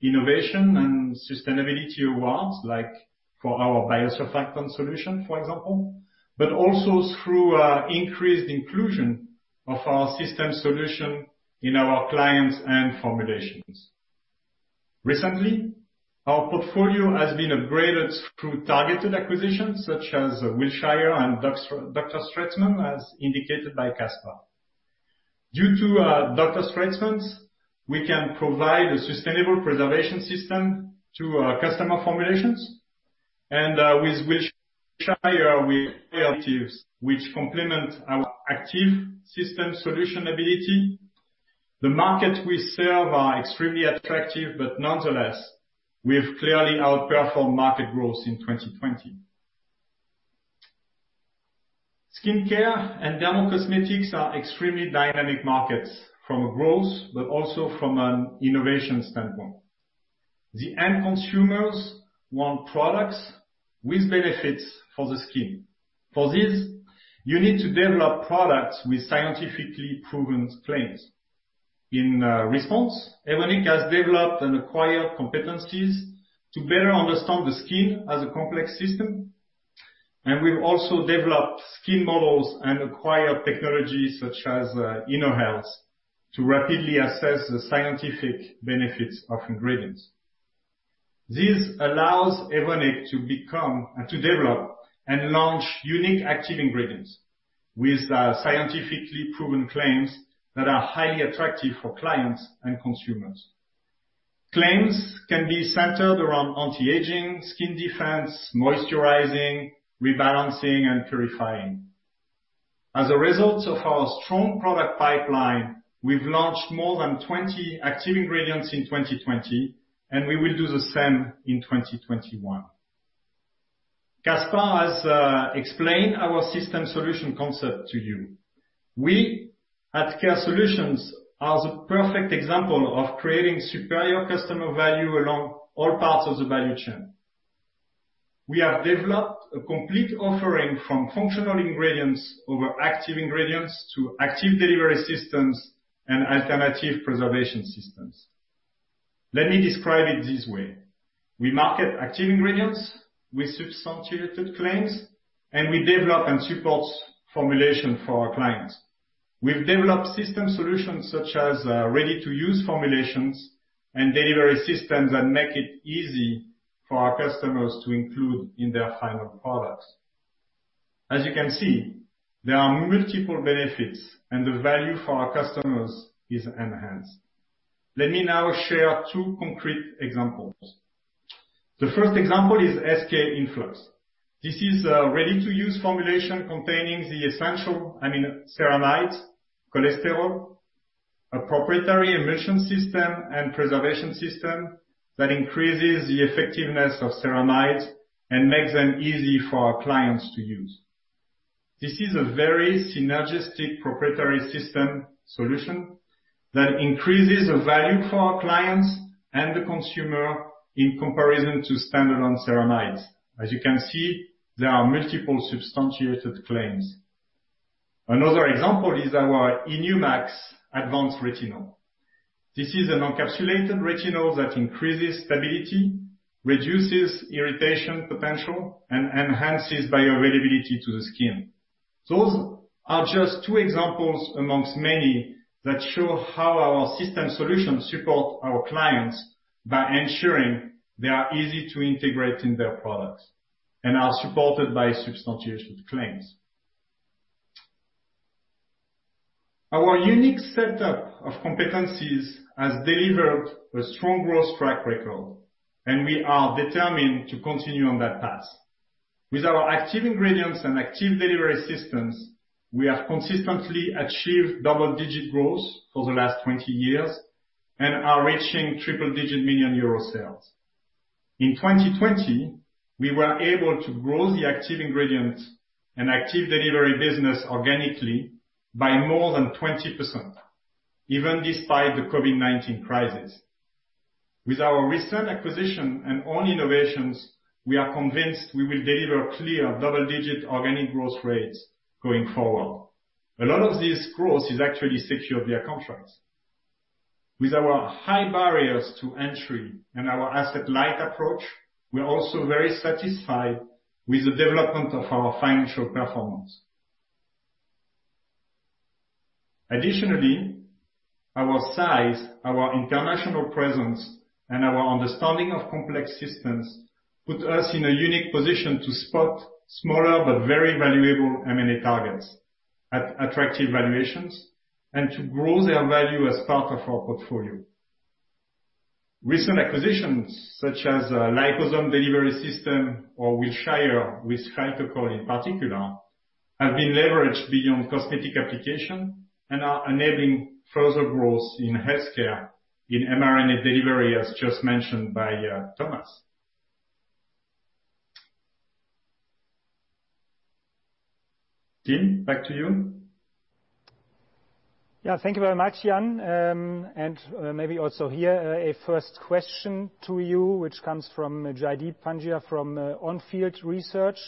innovation and sustainability awards, like for our biosurfactant solution, for example, but also through our increased inclusion of our system solution in our clients and formulations. Recently, our portfolio has been upgraded through targeted acquisitions such as Wilshire and Dr. Straetmans, as indicated by Caspar. Due to Dr. Straetmans, we can provide a sustainable preservation system to our customer formulations, and with Wilshire, we have alternatives which complement our active system solution ability. The markets we serve are extremely attractive, nonetheless, we've clearly outperformed market growth in 2020. Skincare and dermacosmetics are extremely dynamic markets from a growth but also from an innovation standpoint. The end consumers want products with benefits for the skin. For this, you need to develop products with scientifically proven claims. In response, Evonik has developed and acquired competencies to better understand the skin as a complex system, and we've also developed skin models and acquired technologies such as innoHealth to rapidly assess the scientific benefits of ingredients. This allows Evonik to develop and launch unique active ingredients with scientifically proven claims that are highly attractive for clients and consumers. Claims can be centered around anti-aging, skin defense, moisturizing, rebalancing, and purifying. As a result of our strong product pipeline, we've launched more than 20 active ingredients in 2020, and we will do the same in 2021. Caspar has explained our system solution concept to you. We at Care Solutions are the perfect example of creating superior customer value along all parts of the value chain. We have developed a complete offering from functional ingredients over active ingredients to active delivery systems and alternative preservation systems. Let me describe it this way. We market active ingredients with substantiated claims, and we develop and support formulation for our clients. We've developed system solutions such as ready-to-use formulations and delivery systems that make it easy for our customers to include in their final products. As you can see, there are multiple benefits, and the value for our customers is enhanced. Let me now share two concrete examples. The first example is SK-INFLUX. This is a ready-to-use formulation containing the essential amino ceramides, cholesterol, a proprietary emulsion system, and preservation system that increases the effectiveness of ceramides and makes them easy for our clients to use. This is a very synergistic proprietary system solution that increases the value for our clients and the consumer in comparison to standalone ceramides. As you can see, there are multiple substantiated claims. Another example is our InuMax advanced retinol. This is an encapsulated retinol that increases stability, reduces irritation potential, and enhances bioavailability to the skin. Those are just two examples amongst many that show how our system solutions support our clients by ensuring they are easy to integrate in their products and are supported by substantiated claims. Our unique setup of competencies has delivered a strong growth track record. We are determined to continue on that path. With our active ingredients and active delivery systems, we have consistently achieved double-digit growth for the last 20 years and are reaching triple-digit million euro sales. In 2020, we were able to grow the active ingredient and active delivery business organically by more than 20%, even despite the COVID-19 crisis. With our recent acquisition and own innovations, we are convinced we will deliver clear double-digit organic growth rates going forward. A lot of this growth is actually secured via contracts. With our high barriers to entry and our asset-light approach, we are also very satisfied with the development of our financial performance. Additionally, our size, our international presence, and our understanding of complex systems put us in a unique position to spot smaller but very valuable M&A targets at attractive valuations and to grow their value as part of our portfolio. Recent acquisitions, such as Liposome Delivery System or Wilshire with PhytoChol in particular, have been leveraged beyond cosmetic application and are enabling further growth in healthcare in mRNA delivery, as just mentioned by Thomas. Tim, back to you. Thank you very much, Yann. Maybe also here, a first question to you, which comes from Jaideep Pandya from On Field Research.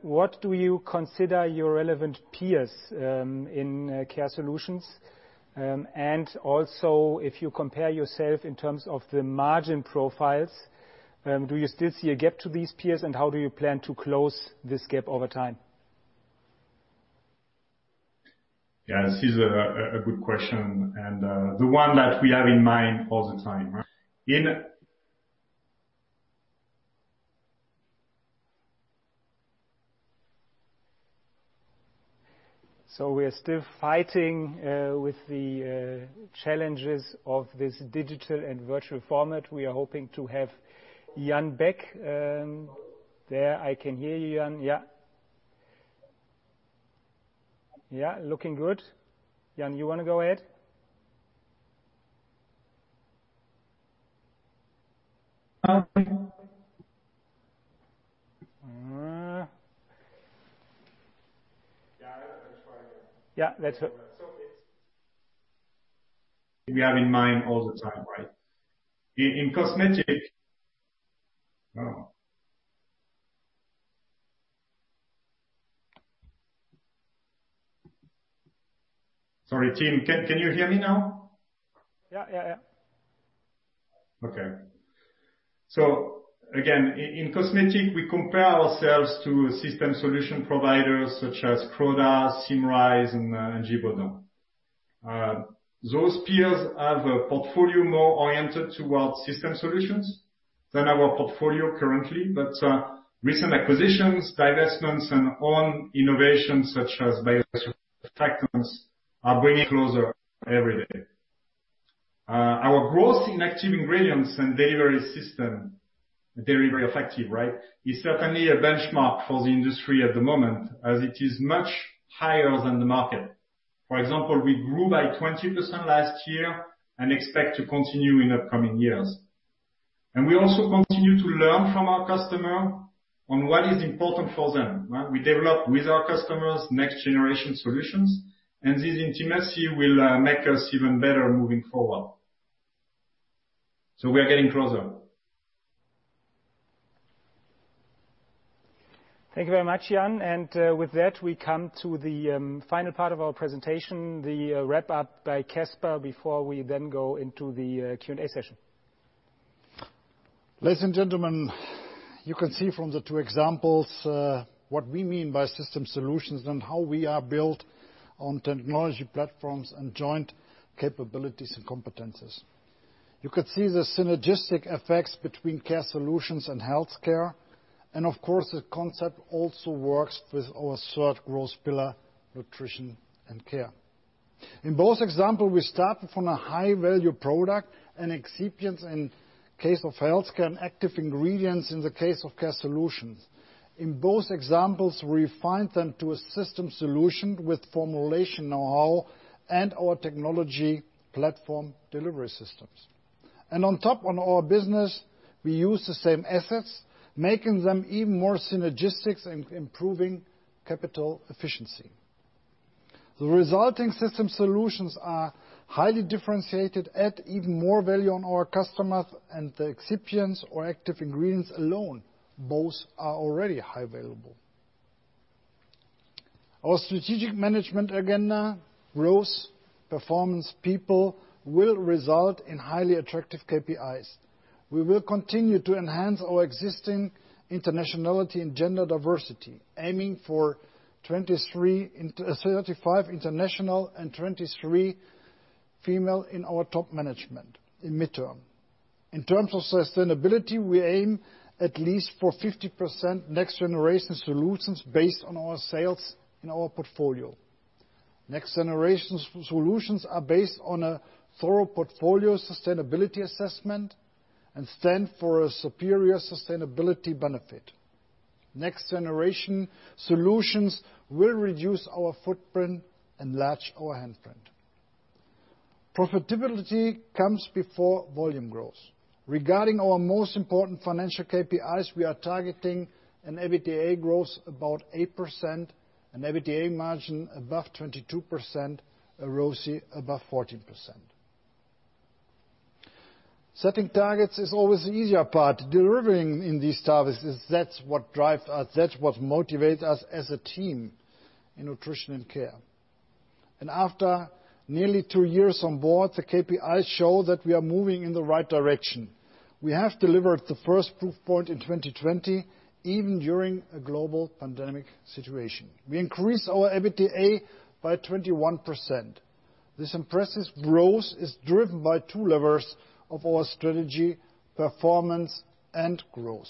What do you consider your relevant peers in Care Solutions? Also, if you compare yourself in terms of the margin profiles, do you still see a gap to these peers, and how do you plan to close this gap over time? Yeah, this is a good question. The one that we have in mind all the time. We are still fighting with the challenges of this digital and virtual format. We are hoping to have Yann back there. I can hear you, Yann. Yeah, looking good. Yann, you wanna go ahead? Yeah, let's- We have in mind all the time, right? In cosmetic. Oh. Sorry, Tim. Can you hear me now? Yeah. Yeah. Okay. Again, in cosmetic, we compare ourselves to system solution providers such as Croda, Symrise, and Givaudan. Those peers have a portfolio more oriented towards system solutions than our portfolio currently, recent acquisitions, divestments, and own innovations such as are bringing closer every day. Our growth in active ingredients and delivery system, delivery effective, right, is certainly a benchmark for the industry at the moment, as it is much higher than the market. For example, we grew by 20% last year and expect to continue in upcoming years. We also continue to learn from our customer on what is important for them, right? We develop with our customers Next Generation Solutions, this intimacy will make us even better moving forward. We are getting closer. Thank you very much, Yann. With that, we come to the final part of our presentation, the wrap-up by Caspar before we then go into the Q&A session. Ladies and gentlemen, you can see from the two examples, what we mean by system solutions and how we are built on technology platforms and joint capabilities and competencies. You could see the synergistic effects between Care Solutions and Health Care. Of course, the concept also works with our third growth pillar, Nutrition & Care. In both examples, we started from a high-value product and excipient in case of Health Care and active ingredients in the case of Care Solutions. In both examples, we refined them to a system solution with formulation know-how and our technology platform delivery systems. On top on our business, we use the same assets, making them even more synergistic and improving capital efficiency. The resulting system solutions are highly differentiated, add even more value on our customers and the excipients or active ingredients alone. Both are already high valuable. Our strategic management agenda, growth, performance, people, will result in highly attractive KPIs. We will continue to enhance our existing internationality and gender diversity, aiming for 35 international and 23 female in our top management in mid-term. In terms of sustainability, we aim at least for 50% Next Generation Solutions based on our sales in our portfolio. Next Generation Solutions are based on a thorough portfolio sustainability assessment and stand for a superior sustainability benefit. Next Generation Solutions will reduce our footprint and enlarge our handprint. Profitability comes before volume growth. Regarding our most important financial KPIs, we are targeting an EBITDA growth about 8%, an EBITDA margin above 22%, a ROCE above 14%. Setting targets is always the easier part. Delivering in these targets, that's what drives us, that's what motivates us as a team in Nutrition & Care. After nearly two years on board, the KPIs show that we are moving in the right direction. We have delivered the first proof point in 2020, even during a global pandemic situation. We increased our EBITDA by 21%. This impressive growth is driven by two levers of our strategy, performance and growth.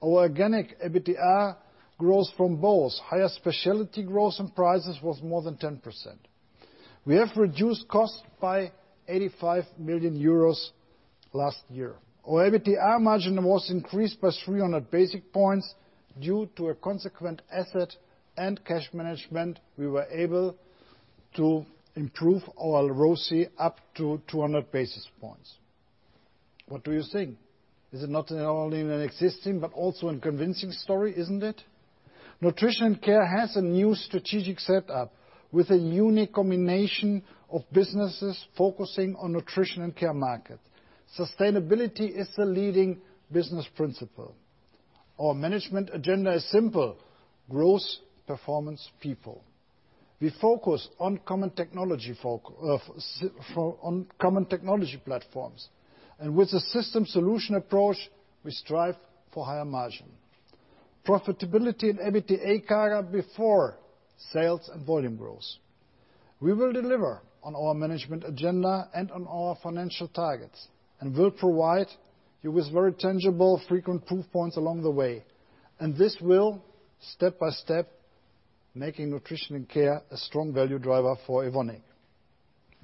Our organic EBITDA growth from both higher specialty growth and prices was more than 10%. We have reduced costs by 85 million euros last year. Our EBITDA margin was increased by 300 basis points. Due to a consequent asset and cash management, we were able to improve our ROCE up to 200 basis points. What do you think? Is it not only an exciting, but also a convincing story, isn't it? Nutrition & Care has a new strategic setup with a unique combination of businesses focusing on Nutrition & Care market. Sustainability is the leading business principle. Our management agenda is simple: growth, performance, people. We focus on common technology platforms, with a system solution approach, we strive for higher margin. Profitability and EBITDA carry before sales and volume growth. We will deliver on our management agenda and on our financial targets, will provide you with very tangible, frequent proof points along the way. This will, step by step, making Nutrition & Care a strong value driver for Evonik.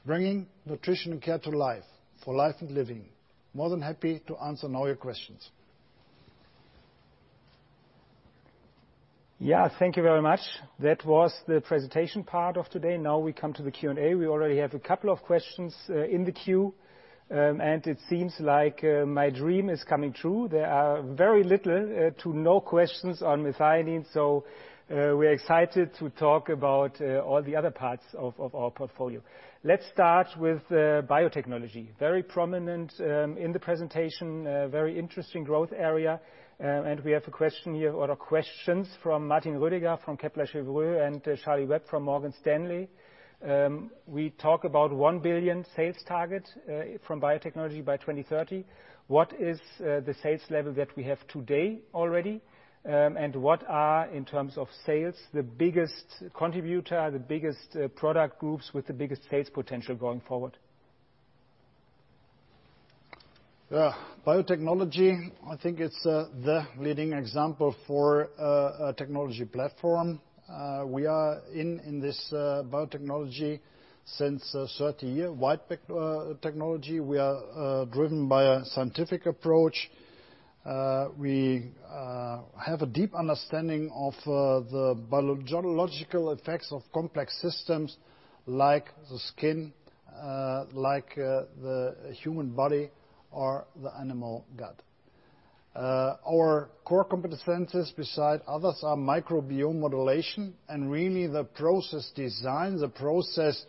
Bringing Nutrition & Care to life, for life and living. More than happy to answer now your questions. Yeah, thank you very much. That was the presentation part of today. Now we come to the Q&A. We already have a couple of questions in the queue, and it seems like my dream is coming true. There are very little to no questions on methionine, so we're excited to talk about all the other parts of our portfolio. Let's start with biotechnology. Very prominent in the presentation, very interesting growth area. We have a question here, or questions from Martin Roediger from Kepler Cheuvreux and Charlie Webb from Morgan Stanley. We talk about 1 billion sales target from biotechnology by 2030. What is the sales level that we have today already? What are, in terms of sales, the biggest contributor, the biggest product groups with the biggest sales potential going forward? Yeah. Biotechnology, I think it's the leading example for a technology platform. We are in this biotechnology since 30 year. white biotechnology, we are driven by a scientific approach. We have a deep understanding of the biological effects of complex systems like the skin, like the human body or the animal gut. Our core competencies, beside others, are microbiome modulation and really the process design, the process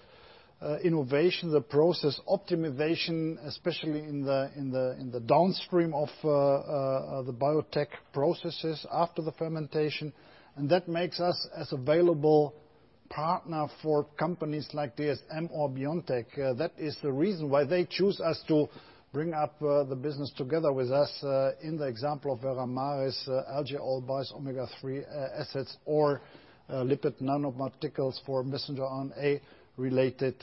innovation, the process optimization, especially in the downstream of the biotech processes after the fermentation. That makes us as available partner for companies like DSM or BioNTech. That is the reason why they choose us to bring up the business together with us. In the example of Veramaris, algae oil based omega-3 assets or lipid nanoparticles for messenger RNA-related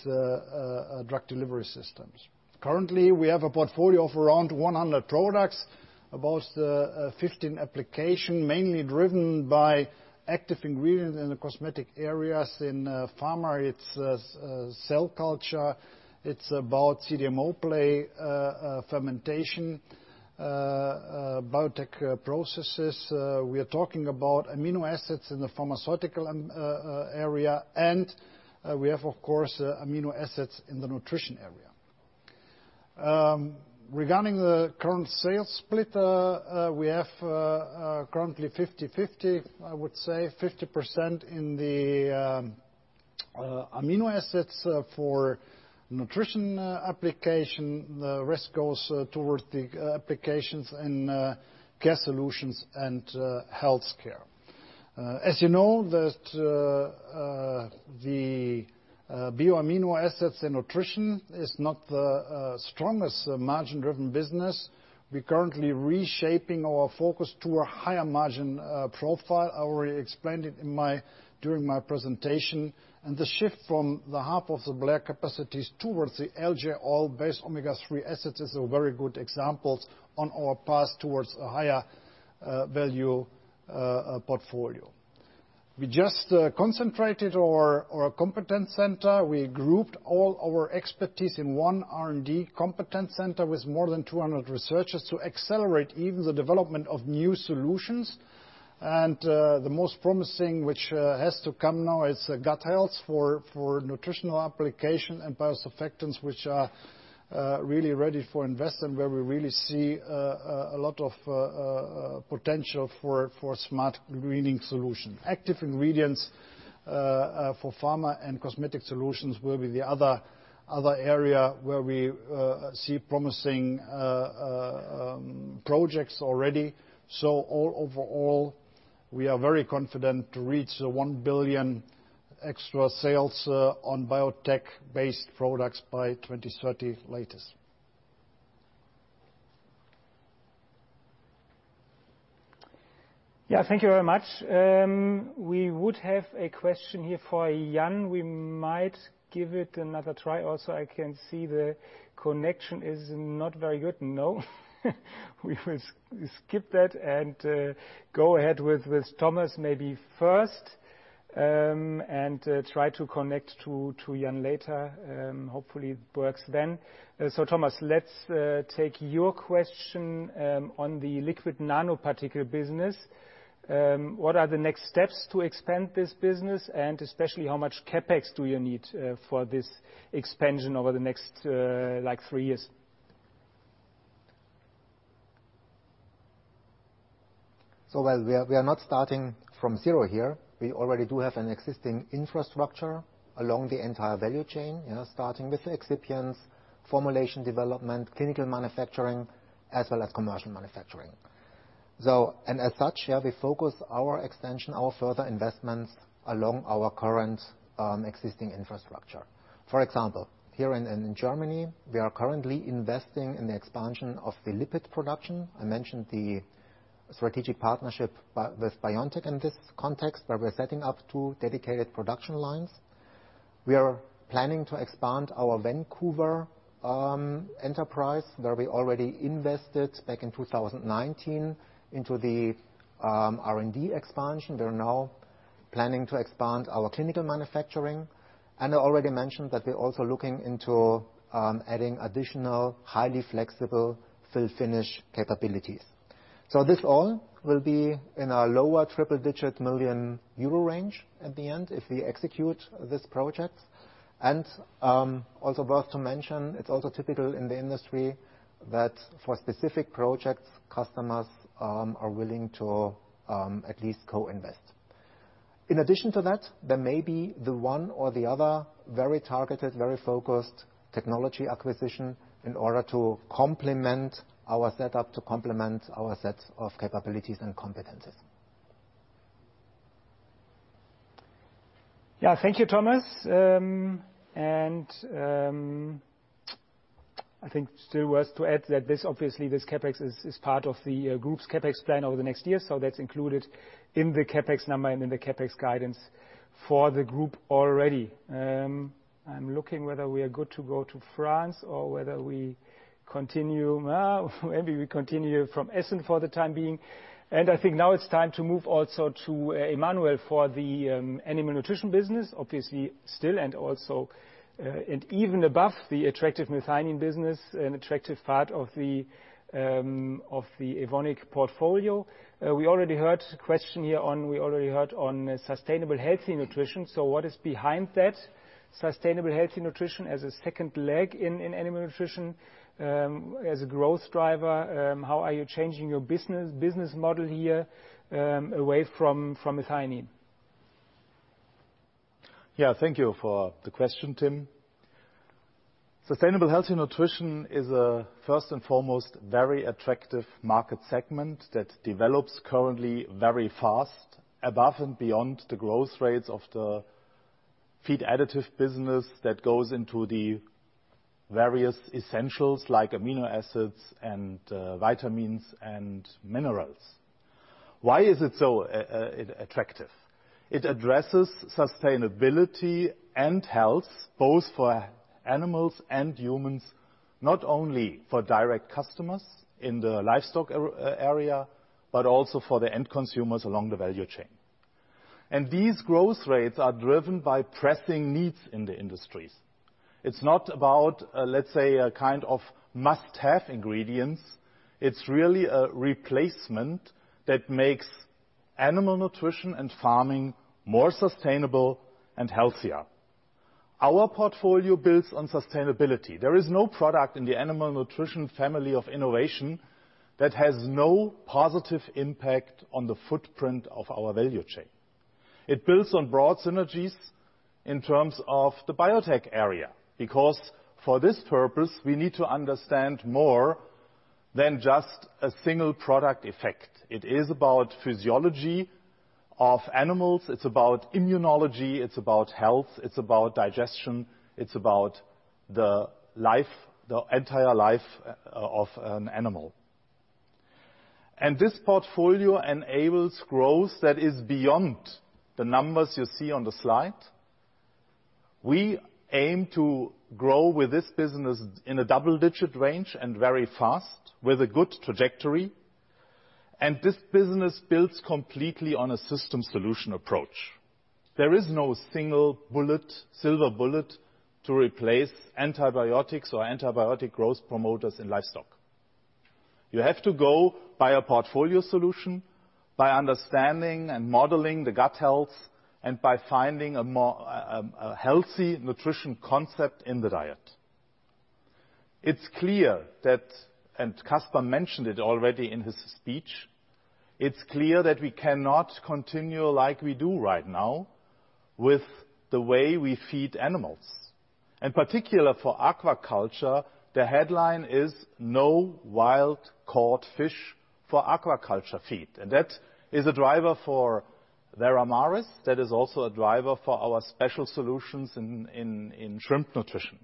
drug delivery systems. Currently, we have a portfolio of around 100 products, about 15 applications, mainly driven by active ingredients in the cosmetic areas. In pharma, it's cell culture. It's about CDMO play, fermentation, biotech processes. We are talking about amino acids in the pharmaceutical area, and we have, of course, amino acids in the nutrition area. Regarding the current sales split, we have currently 50/50, I would say 50% in the amino acids for nutrition application. The rest goes towards the applications in Care Solutions and Health Care. As you know, the bio amino acids in nutrition is not the strongest margin-driven business. We're currently reshaping our focus to a higher margin profile. I already explained it during my presentation. The shift from the half of the bulk capacities towards the algae oil base omega-3 acids are very good examples on our path towards a higher value portfolio. We just concentrated our competence center. We grouped all our expertise in one R&D competence center with more than 200 researchers to accelerate even the development of new solutions. The most promising, which has to come now, is gut health for nutritional application and biosurfactants, which are really ready for investment, where we really see a lot of potential for smart greening solution. Active ingredients for pharma and cosmetic solutions will be the other area where we see promising projects already. All overall, we are very confident to reach the 1 billion extra sales on biotech-based products by 2030 latest. Yeah, thank you very much. We would have a question here for Yann. We might give it another try. I can see the connection is not very good. No? We will skip that and go ahead with Thomas maybe first, and try to connect to Yann later. Hopefully, it works then. Thomas, let's take your question on the lipid nanoparticles business. What are the next steps to expand this business? Especially, how much CapEx do you need for this expansion over the next three years? While we are not starting from zero here, we already do have an existing infrastructure along the entire value chain. Starting with excipients, formulation development, clinical manufacturing, as well as commercial manufacturing. As such, we focus our extension, our further investments along our current existing infrastructure. For example, here in Germany, we are currently investing in the expansion of the lipid production. I mentioned the strategic partnership with BioNTech in this context, where we're setting up two dedicated production lines. We are planning to expand our Vancouver enterprise, where we already invested back in 2019 into the R&D expansion. We're now planning to expand our clinical manufacturing, and I already mentioned that we're also looking into adding additional, highly flexible fill finish capabilities. This all will be in our lower triple digit million euro range at the end if we execute this project. Also worth to mention, it's also typical in the industry that for specific projects, customers are willing to at least co-invest. In addition to that, there may be the one or the other very targeted, very focused technology acquisition in order to complement our setup, to complement our sets of capabilities and competencies. Yeah, thank you, Thomas. I think still worth to add that this, obviously, this CapEx is part of the group's CapEx plan over the next year, so that is included in the CapEx number and in the CapEx guidance for the group already. I am looking whether we are good to go to France or whether we continue. Maybe we continue from Essen for the time being. I think now it is time to move also to Emmanuel for the Animal Nutrition business, obviously still and also, and even above the attractive methionine business, an attractive part of the Evonik portfolio. We already heard on sustainable healthy nutrition. What is behind that sustainable healthy nutrition as a second leg in Animal Nutrition, as a growth driver? How are you changing your business model here, away from methionine? Thank you for the question, Tim. Sustainable healthy nutrition is a, first and foremost, very attractive market segment that develops currently very fast, above and beyond the growth rates of the feed additive business that goes into the various essentials like amino acids and vitamins and minerals. Why is it so attractive? It addresses sustainability and health both for animals and humans, not only for direct customers in the livestock area, but also for the end consumers along the value chain. These growth rates are driven by pressing needs in the industries. It's not about, let's say, a kind of must-have ingredients. It's really a replacement that makes animal nutrition and farming more sustainable and healthier. Our portfolio builds on sustainability. There is no product in the Animal Nutrition family of innovation that has no positive impact on the footprint of our value chain. It builds on broad synergies in terms of the biotech area, because for this purpose, we need to understand more than just a single product effect. It is about physiology of animals, it's about immunology, it's about health, it's about digestion, it's about the entire life of an animal. This portfolio enables growth that is beyond the numbers you see on the slide. We aim to grow with this business in a double-digit range and very fast with a good trajectory. This business builds completely on a system solution approach. There is no single silver bullet to replace antibiotics or antibiotic growth promoters in livestock. You have to go by a portfolio solution, by understanding and modeling the gut health, by finding a healthy nutrition concept in the diet. Caspar mentioned it already in his speech, it's clear that we cannot continue like we do right now with the way we feed animals. Particular for aquaculture, the headline is "No wild-caught fish for aquaculture feed." That is a driver for Veramaris. That is also a driver for our special solutions in shrimp nutrition.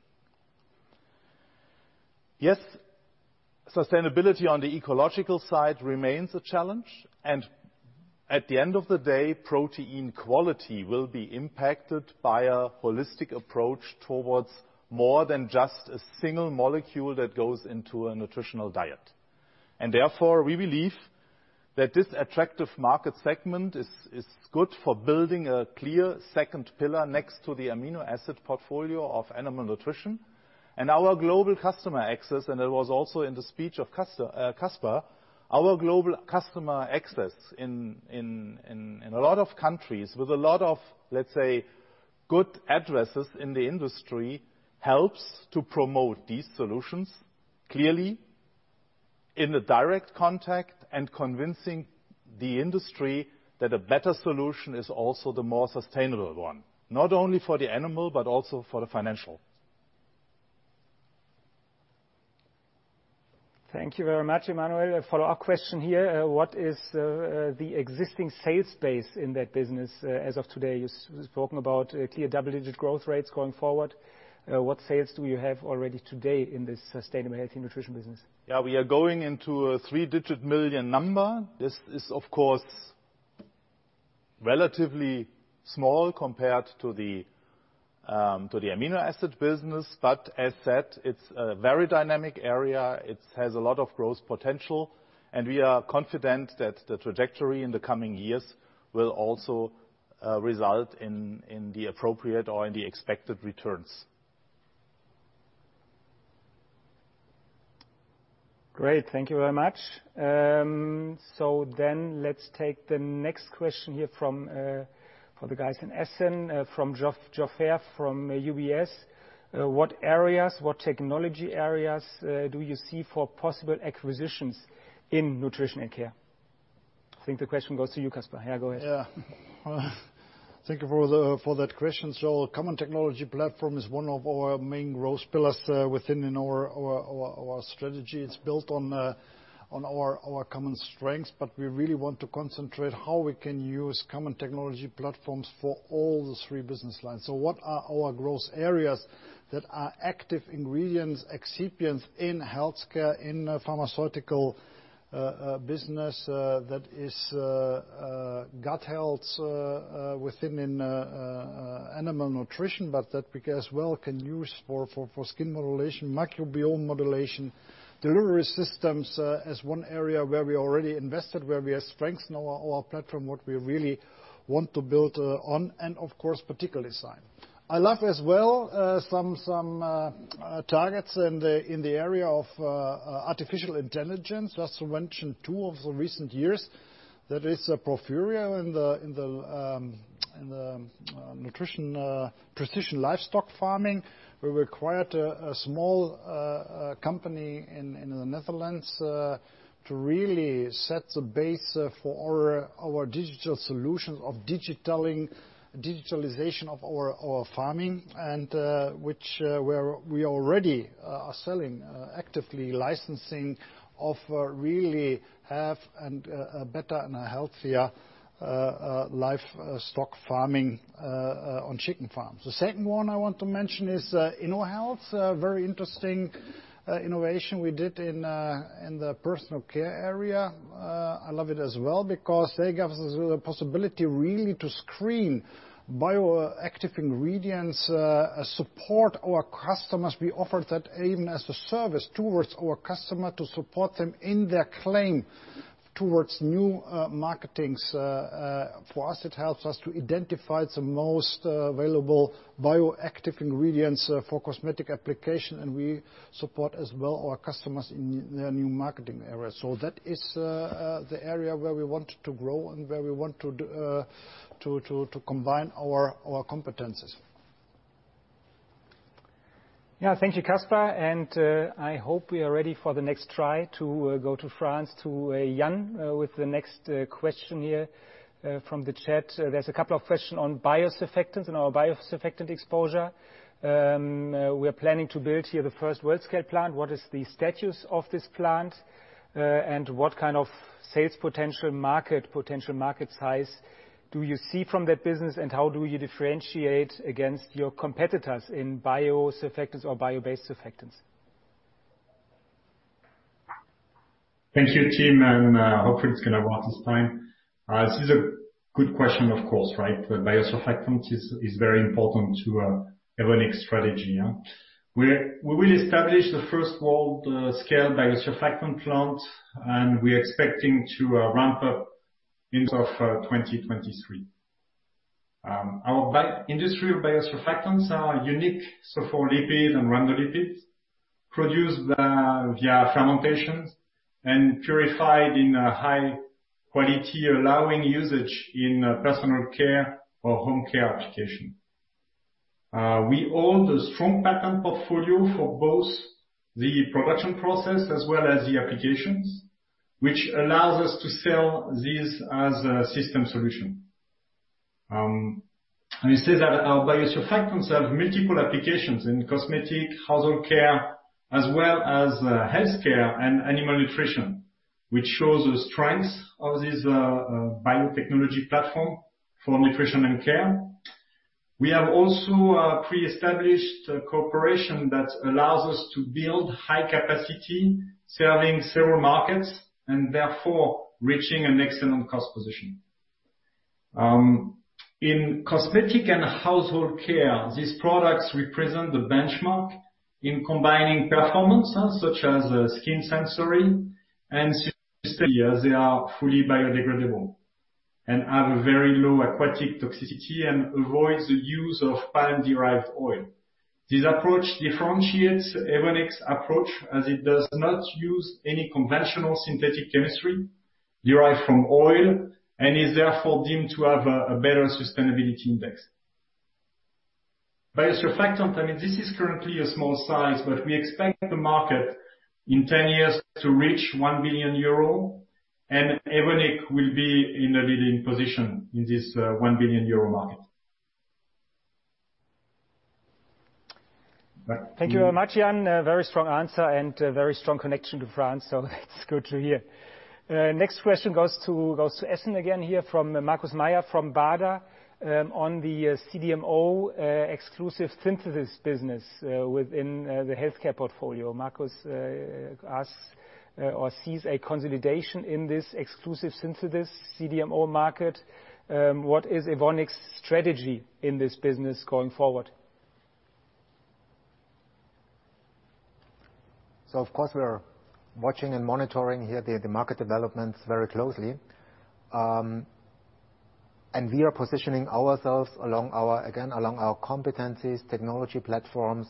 Yes, sustainability on the ecological side remains a challenge, at the end of the day, protein quality will be impacted by a holistic approach towards more than just a single molecule that goes into a nutritional diet. Therefore, we believe that this attractive market segment is good for building a clear second pillar next to the amino acid portfolio of Animal Nutrition. Our global customer access, and it was also in the speech of Caspar, our global customer access in a lot of good addresses in the industry helps to promote these solutions clearly in the direct contact and convincing the industry that a better solution is also the more sustainable one, not only for the animal but also for the financial. Thank you very much, Emmanuel. For our question here, what is the existing sales base in that business as of today? You spoken about clear double-digit growth rates going forward. What sales do you have already today in this sustainable healthy nutrition business? We are going into a three-digit million number. This is, of course, relatively small compared to the amino acid business, but as said, it's a very dynamic area. It has a lot of growth potential, and we are confident that the trajectory in the coming years will also result in the appropriate or in the expected returns. Great. Thank you very much. Let's take the next question here for the guys in Essen, from Geoff Haire from UBS. What technology areas do you see for possible acquisitions in Nutrition & Care? I think the question goes to you, Caspar. Yeah, go ahead. Yeah. Thank you for that question. Common technology platform is one of our main growth pillars within our strategy. It's built on our common strengths, but we really want to concentrate how we can use common technology platforms for all the three business lines. What are our growth areas that are active ingredients, excipients in healthcare, in pharmaceutical business, that is gut health within Animal Nutrition, but that we as well can use for skin modulation, microbiome modulation, delivery systems as one area where we already invested, where we are strengthening our platform, what we really want to build on, and of course, particularly science. I love as well some targets in the area of artificial intelligence. Just to mention two of the recent years that is Porphyrio in the nutrition precision livestock farming, we acquired a small company in the Netherlands to really set the base for our digital solutions of digitalization of our farming and which we already are selling actively licensing of really have a better and a healthier livestock farming on chicken farms. The second one I want to mention is innoHealth, very interesting innovation we did in the personal care area. I love it as well because they gave us the possibility really to screen bioactive ingredients, support our customers. We offer that even as a service towards our customer to support them in their claim towards new marketings. For us, it helps us to identify the most available bioactive ingredients for cosmetic application, and we support as well our customers in their new marketing areas. That is the area where we want to grow and where we want to combine our competencies. Thank you, Caspar, I hope we are ready for the next try to go to France to Yann with the next question here from the chat. There's a couple of questions on biosurfactants and our biosurfactant exposure. We are planning to build here the first world-scale plant. What is the status of this plant? What kind of sales potential, market potential, market size do you see from that business, and how do you differentiate against your competitors in biosurfactants or bio-based surfactants? Thank you, team. Hopefully it's going to work this time. This is a good question, of course, right? Biosurfactants is very important to Evonik's strategy. We will establish the first world-scale biosurfactant plant. We're expecting to ramp up end of 2023. Our industry of biosurfactants are unique, sophorolipids and rhamnolipids, produced via fermentation and purified in a high quality, allowing usage in personal care or home care application. We hold a strong patent portfolio for both the production process as well as the applications, which allows us to sell this as a system solution. Instead, our biosurfactants have multiple applications in cosmetic, household care, as well as Health Care and Animal Nutrition, which shows the strength of this biotechnology platform for Nutrition & Care. We have also pre-established cooperation that allows us to build high capacity, serving several markets. Therefore, reaching an excellent cost position. In cosmetic and household care, these products represent the benchmark in combining performance, such as skin sensory and sustainability, as they are fully biodegradable and have a very low aquatic toxicity and avoid the use of palm-derived oil. This approach differentiates Evonik's approach, as it does not use any conventional synthetic chemistry derived from oil and is therefore deemed to have a better sustainability index. Biosurfactant, this is currently a small size, but we expect the market in 10 years to reach 1 billion euro, and Evonik will be in a leading position in this 1 billion euro market. Thank you very much, Yann. A very strong answer and a very strong connection to France. That's good to hear. Next question goes to Essen again here from Markus Mayer from Baader on the CDMO exclusive synthesis business within the Health Care portfolio. Markus asks, or sees a consolidation in this exclusive synthesis CDMO market. What is Evonik's strategy in this business going forward? Of course, we are watching and monitoring here the market developments very closely. We are positioning ourselves, again, along our competencies, technology platforms,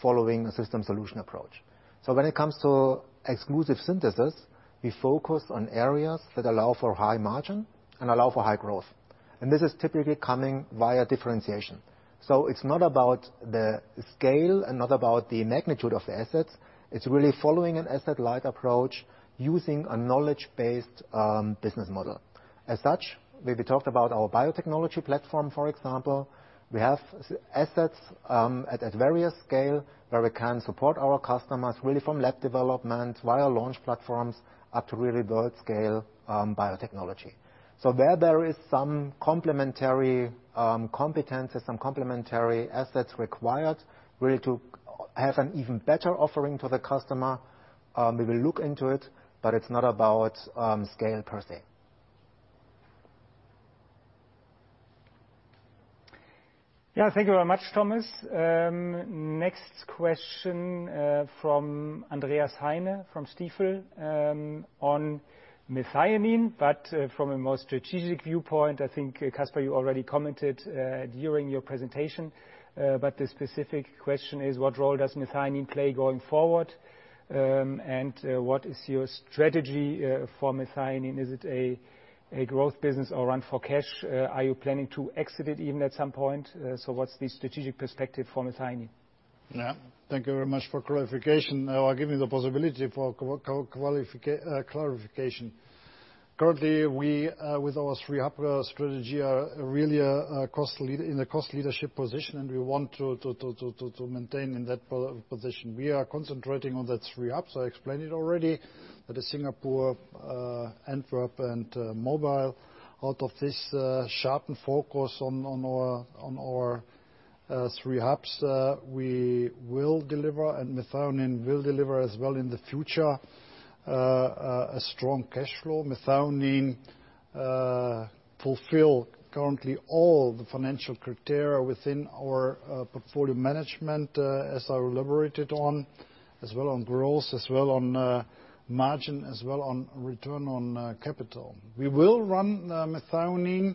following a system solution approach. When it comes to exclusive synthesis, we focus on areas that allow for high margin and allow for high growth. This is typically coming via differentiation. It's not about the scale and not about the magnitude of the assets. It's really following an asset-light approach using a knowledge-based business model. As such, we talked about our biotechnology platform, for example. We have assets at various scale where we can support our customers, really from lab development via launch platforms up to really world-scale biotechnology. Where there is some complementary competencies, some complementary assets required really to have an even better offering to the customer, we will look into it, but it's not about scale per se. Yeah, thank you very much, Thomas. Next question from Andreas Heine from Stifel on methionine, but from a more strategic viewpoint. I think, Caspar, you already commented during your presentation. The specific question is, what role does methionine play going forward? What is your strategy for methionine? Is it a growth business or run for cash? Are you planning to exit it even at some point? What's the strategic perspective for methionine? Thank you very much for clarification, or giving the possibility for clarification. Currently, with our three hub strategy, we are really in the cost leadership position, and we want to maintain in that position. We are concentrating on the three hubs. I explained it already, that is Singapore, Antwerp and Mobile. Out of this sharpened focus on our three hubs, we will deliver, and methionine will deliver as well in the future, a strong cash flow. methionine fulfill currently all the financial criteria within our portfolio management, as I elaborated on, as well on growth, as well on margin, as well on return on capital. We will run methionine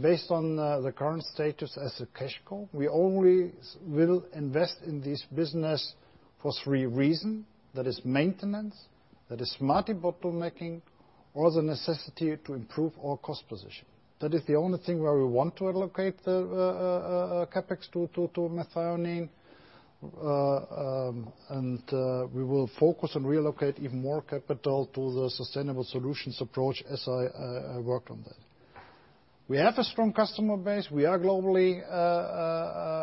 based on the current status as a cash cow. We only will invest in this business for three reasons: that is maintenance, that is smart debottlenecking, or the necessity to improve our cost position. That is the only thing where we want to allocate the CapEx to methionine. We will focus on relocating even more capital to the sustainable solutions approach as I work on that. We have a strong customer base. We are globally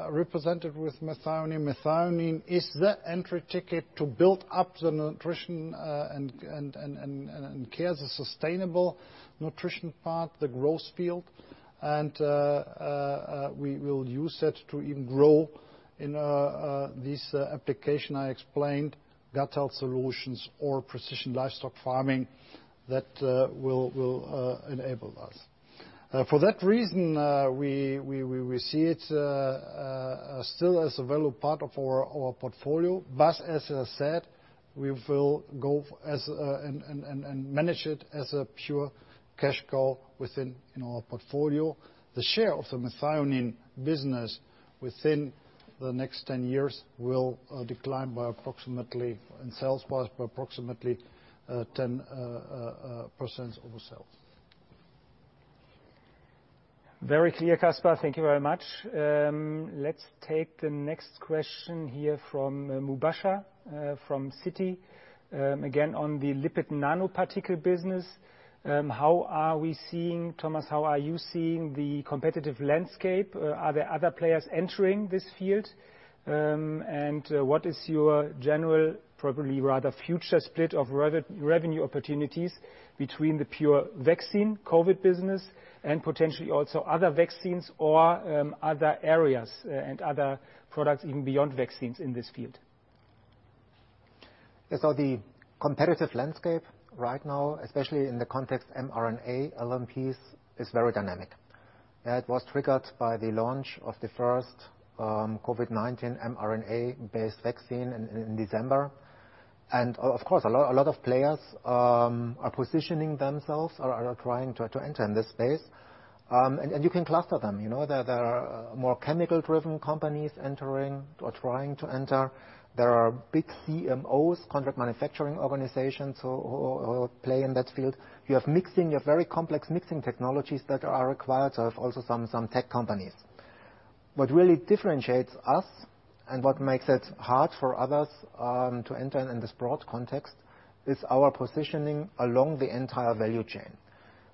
represented with methionine. Methionine is the entry ticket to build up the Nutrition & Care, the sustainable nutrition part, the growth field. We will use that to even grow in this application I explained, gut health solutions or precision livestock farming that will enable us. For that reason, we see it still as a valued part of our portfolio. As I said, we will go and manage it as a pure cash cow within our portfolio. The share of the methionine business within the next 10 years will decline by approximately, in sales, by approximately 10% of sales. Very clear, Caspar. Thank you very much. Let's take the next question here from Mubashir, from Citi. On the lipid nanoparticle business. Thomas, how are you seeing the competitive landscape? Are there other players entering this field? What is your general, probably rather future split of revenue opportunities between the pure vaccine, COVID business and potentially also other vaccines or other areas and other products even beyond vaccines in this field? Yes. The competitive landscape right now, especially in the context mRNA LNPs, is very dynamic. It was triggered by the launch of the first COVID-19 mRNA-based vaccine in December. Of course, a lot of players are positioning themselves or are trying to enter in this space. You can cluster them. There are more chemical-driven companies entering or trying to enter. There are big CMOs, contract manufacturing organizations, who play in that field. You have very complex mixing technologies that are required of also some tech companies. What really differentiates us and what makes it hard for others to enter in this broad context is our positioning along the entire value chain,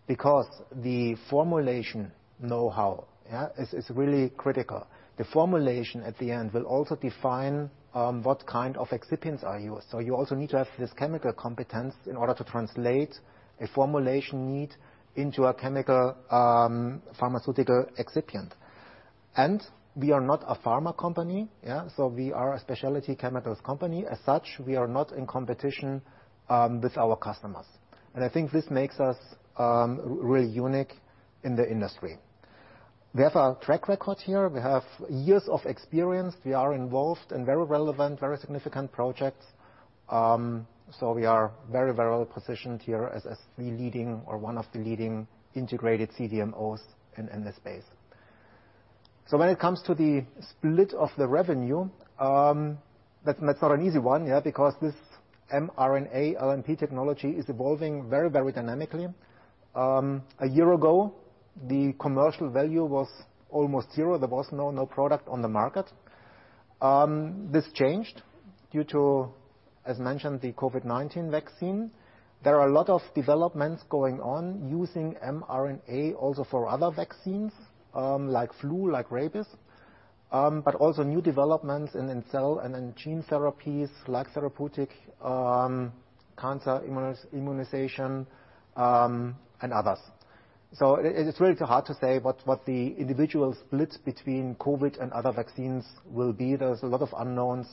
because the formulation know-how is really critical. The formulation, at the end, will also define what kind of excipients are used. You also need to have this chemical competence in order to translate a formulation need into a chemical pharmaceutical excipient. We are not a pharma company. We are a specialty chemicals company. As such, we are not in competition with our customers. I think this makes us really unique in the industry. We have a track record here. We have years of experience. We are involved in very relevant, very significant projects. We are very well positioned here as the leading, or one of the leading integrated CDMOs in this space. When it comes to the split of the revenue, that's not an easy one, because this mRNA LNP technology is evolving very dynamically. A year ago, the commercial value was almost zero. There was no product on the market. This changed due to, as mentioned, the COVID-19 vaccine. There are a lot of developments going on using mRNA also for other vaccines, like flu, like rabies, but also new developments in cell and gene therapies like therapeutic cancer immunization, and others. It's really hard to say what the individual split between COVID and other vaccines will be. There is a lot of unknowns.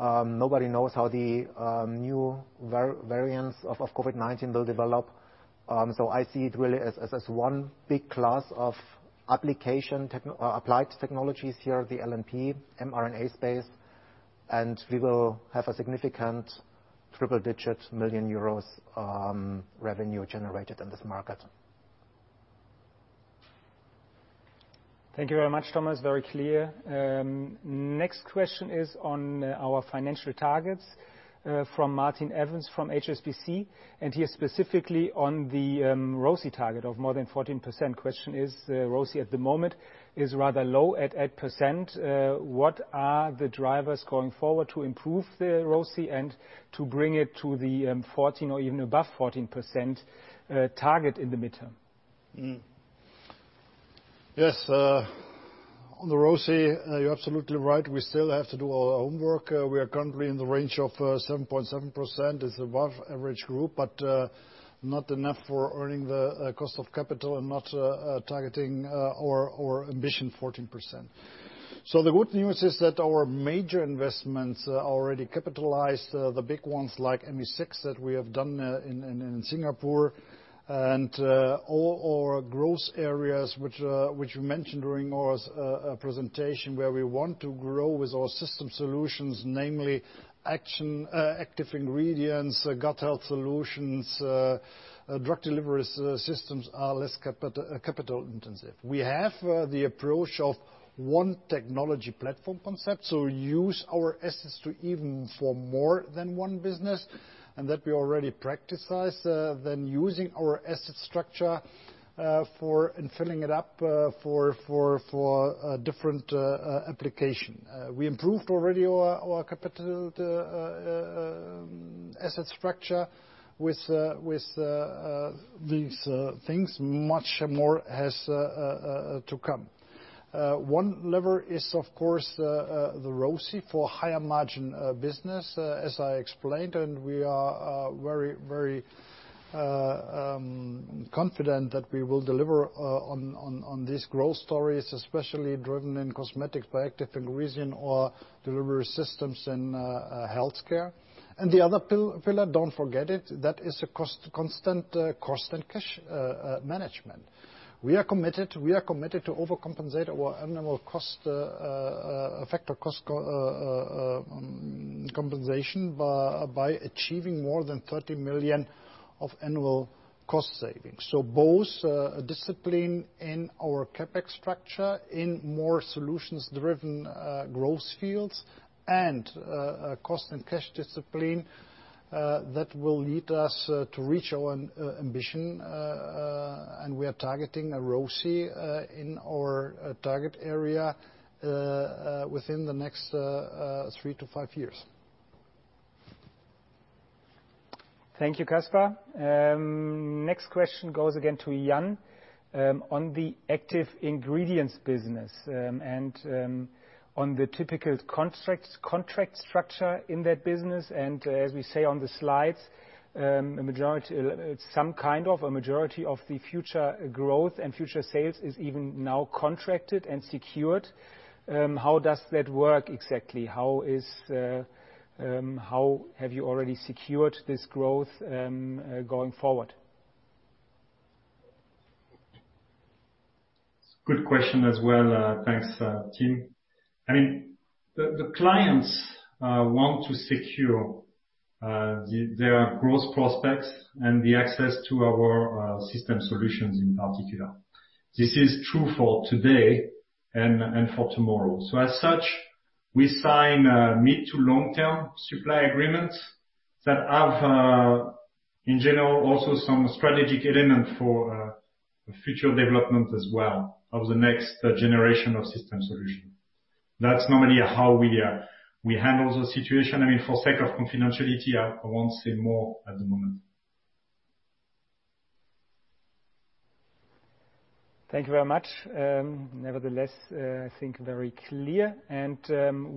Nobody knows how the new variants of COVID-19 will develop. I see it really as one big class of application, applied technologies here, the LNP, mRNA space, and we will have a significant triple-digit million euro revenue generated in this market. Thank you very much, Thomas. Very clear. Next question is on our financial targets, from Martin Evans, from HSBC. He is specifically on the ROCE target of more than 14%. Question is, ROCE at the moment is rather low at 8%. What are the drivers going forward to improve the ROCE and to bring it to the 14% or even above 14% target in the midterm? Yes. On the ROCE, you're absolutely right. We still have to do our homework. We are currently in the range of 7.7%. It's above average group, not enough for earning the cost of capital and not targeting our ambition 14%. The good news is that our major investments already capitalized the big ones like Me6 that we have done in Singapore and all our growth areas, which you mentioned during our presentation, where we want to grow with our system solutions, namely active ingredients, gut health solutions, drug delivery systems are less capital-intensive. We have the approach of one technology platform concept, use our assets to even for more than one business, and that we already practiced, using our asset structure for, and filling it up for a different application. We improved already our capital asset structure with these things. Much more has to come. One lever is, of course, the ROCE for higher margin business, as I explained. We are very confident that we will deliver on these growth stories, especially driven in cosmetics by active ingredient or delivery systems in healthcare. The other pillar, don't forget it, that is a constant cost and cash management. We are committed to overcompensate our annual cost, effect of cost compensation, by achieving more than 30 million of annual cost savings. Both discipline in our CapEx structure, in more solutions-driven growth fields, and cost and cash discipline that will lead us to reach our ambition. We are targeting a ROCE in our target area within the next three to five years. Thank you, Caspar. Next question goes again to Yann on the active ingredients business and on the typical contract structure in that business. As we say on the slides, some kind of a majority of the future growth and future sales is even now contracted and secured. How does that work exactly? How have you already secured this growth going forward? It's a good question as well. Thanks, team. The clients want to secure their growth prospects and the access to our system solutions in particular. This is true for today and for tomorrow. As such, we sign mid to long-term supply agreements that have, in general, also some strategic element for future development as well of the next generation of system solution. That's normally how we handle the situation. For sake of confidentiality, I won't say more at the moment. Thank you very much. I think very clear.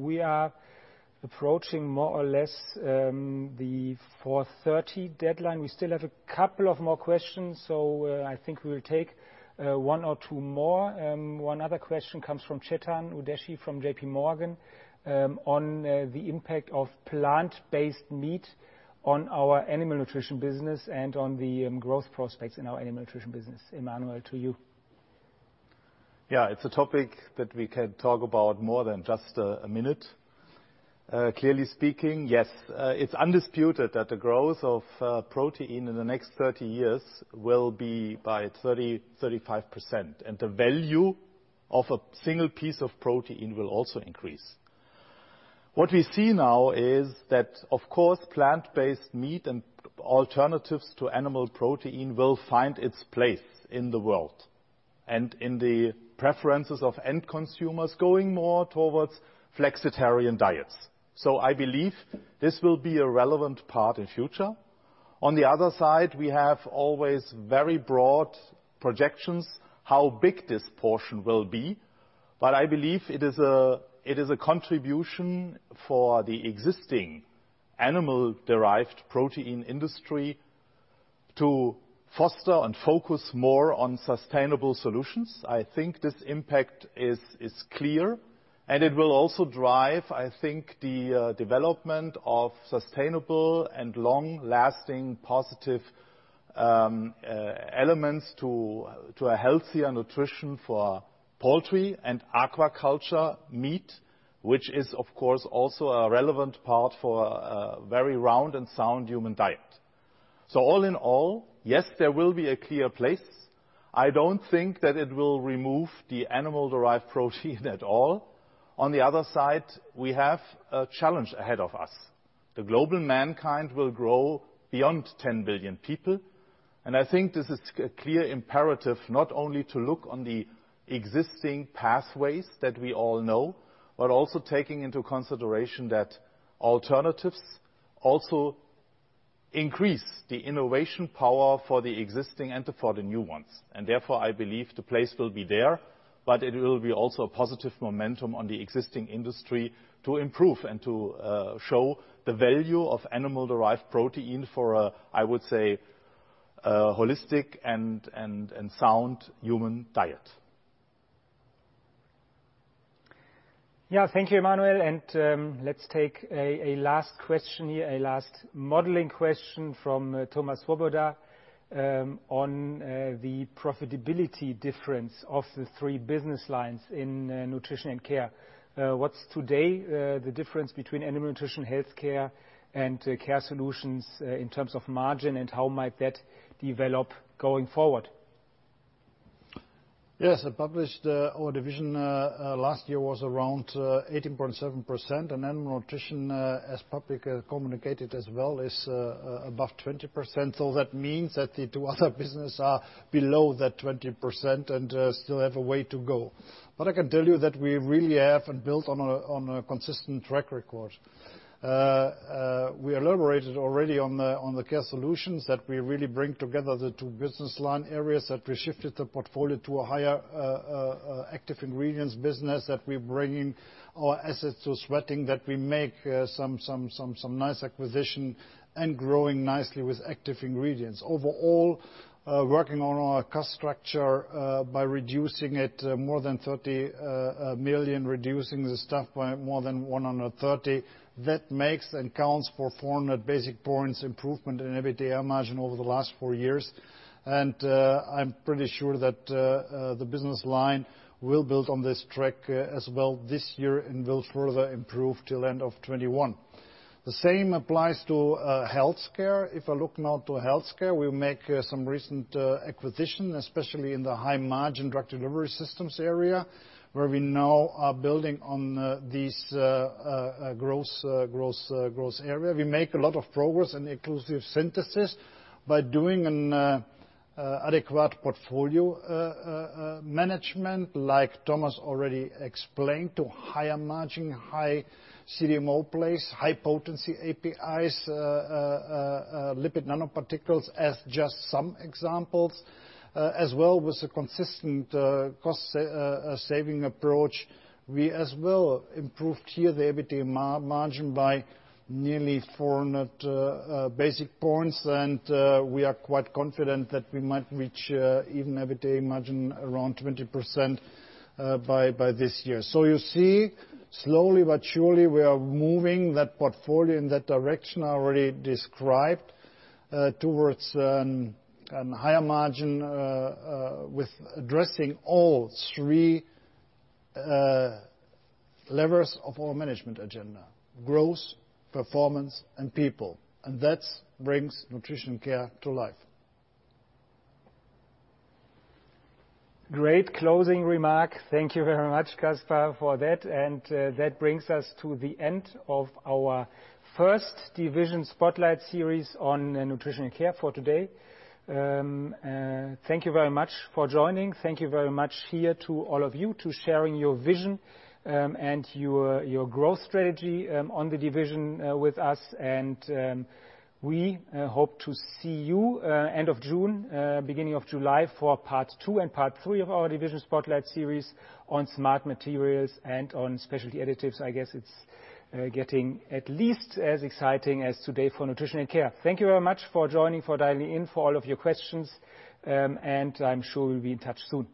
We are approaching more or less the 4:30 deadline. We still have a couple of more questions. I think we will take one or two more. One other question comes from Chetan Udeshi from JPMorgan on the impact of plant-based meat on our Animal Nutrition Business and on the growth prospects in our Animal Nutrition Business. Emmanuel, to you. Yeah, it's a topic that we can talk about more than just a minute. Clearly speaking, yes, it's undisputed that the growth of protein in the next 30 years will be by 30%-35%, and the value of a single piece of protein will also increase. What we see now is that, of course, plant-based meat and alternatives to animal protein will find its place in the world and in the preferences of end consumers going more towards flexitarian diets. I believe this will be a relevant part in future. On the other side, we have always very broad projections how big this portion will be, but I believe it is a contribution for the existing animal-derived protein industry to foster and focus more on sustainable solutions. I think this impact is clear. It will also drive, I think, the development of sustainable and long-lasting positive elements to a healthier nutrition for poultry and aquaculture meat, which is, of course, also a relevant part for a very round and sound human diet. All in all, yes, there will be a clear place. I don't think that it will remove the animal-derived protein at all. On the other side, we have a challenge ahead of us. The global mankind will grow beyond 10 billion people. I think this is a clear imperative not only to look on the existing pathways that we all know, but also taking into consideration that alternatives also increase the innovation power for the existing and for the new ones. Therefore, I believe the place will be there, but it will be also a positive momentum on the existing industry to improve and to show the value of animal-derived protein for a, I would say, holistic and sound human diet. Thank you, Emmanuel. Let's take a last question here, a last modeling question from Thomas Swoboda on the profitability difference of the three business lines in Nutrition & Care. What's today the difference between Animal Nutrition, Health Care, and Care Solutions in terms of margin, and how might that develop going forward? I published our division last year was around 18.7%, and then Nutrition, as public communicated as well, is above 20%. That means that the two other business are below that 20% and still have a way to go. I can tell you that we really have and built on a consistent track record. We elaborated already on the Care Solutions that we really bring together the two business line areas, that we shifted the portfolio to a higher active ingredients business, that we're bringing our assets to sweating, that we make some nice acquisition, and growing nicely with active ingredients. Overall, working on our cost structure by reducing it more than 30 million, reducing the staff by more than 130. That makes and accounts for 400 basis points improvement in EBITDA margin over the last four years. I'm pretty sure that the business line will build on this track as well this year and will further improve till end of 2021. The same applies to Health Care. If I look now to Health Care, we make some recent acquisition, especially in the high margin drug delivery systems area, where we now are building on these growth area. We make a lot of progress in the exclusive synthesis by doing an adequate portfolio management, like Thomas already explained, to higher margin, high CDMO, high potency APIs, lipid nanoparticles, as just some examples. With the consistent cost saving approach, we as well improved here the EBITDA margin by nearly 400 basis points, and we are quite confident that we might reach even EBITDA margin around 20% by this year. You see, slowly but surely we are moving that portfolio in that direction I already described towards an higher margin with addressing all three levers of our management agenda: growth, performance, and people. That brings Nutrition & Care to life. Great closing remark. Thank you very much, Caspar, for that. That brings us to the end of our first Division Spotlight series on Nutrition & Care for today. Thank you very much for joining. Thank you very much here to all of you to sharing your vision and your growth strategy on the division with us. We hope to see you end of June, beginning of July for part two and part three of our Division Spotlight series on Smart Materials and on Specialty Additives. I guess it's getting at least as exciting as today for Nutrition & Care. Thank you very much for joining, for dialing in, for all of your questions, and I'm sure we'll be in touch soon.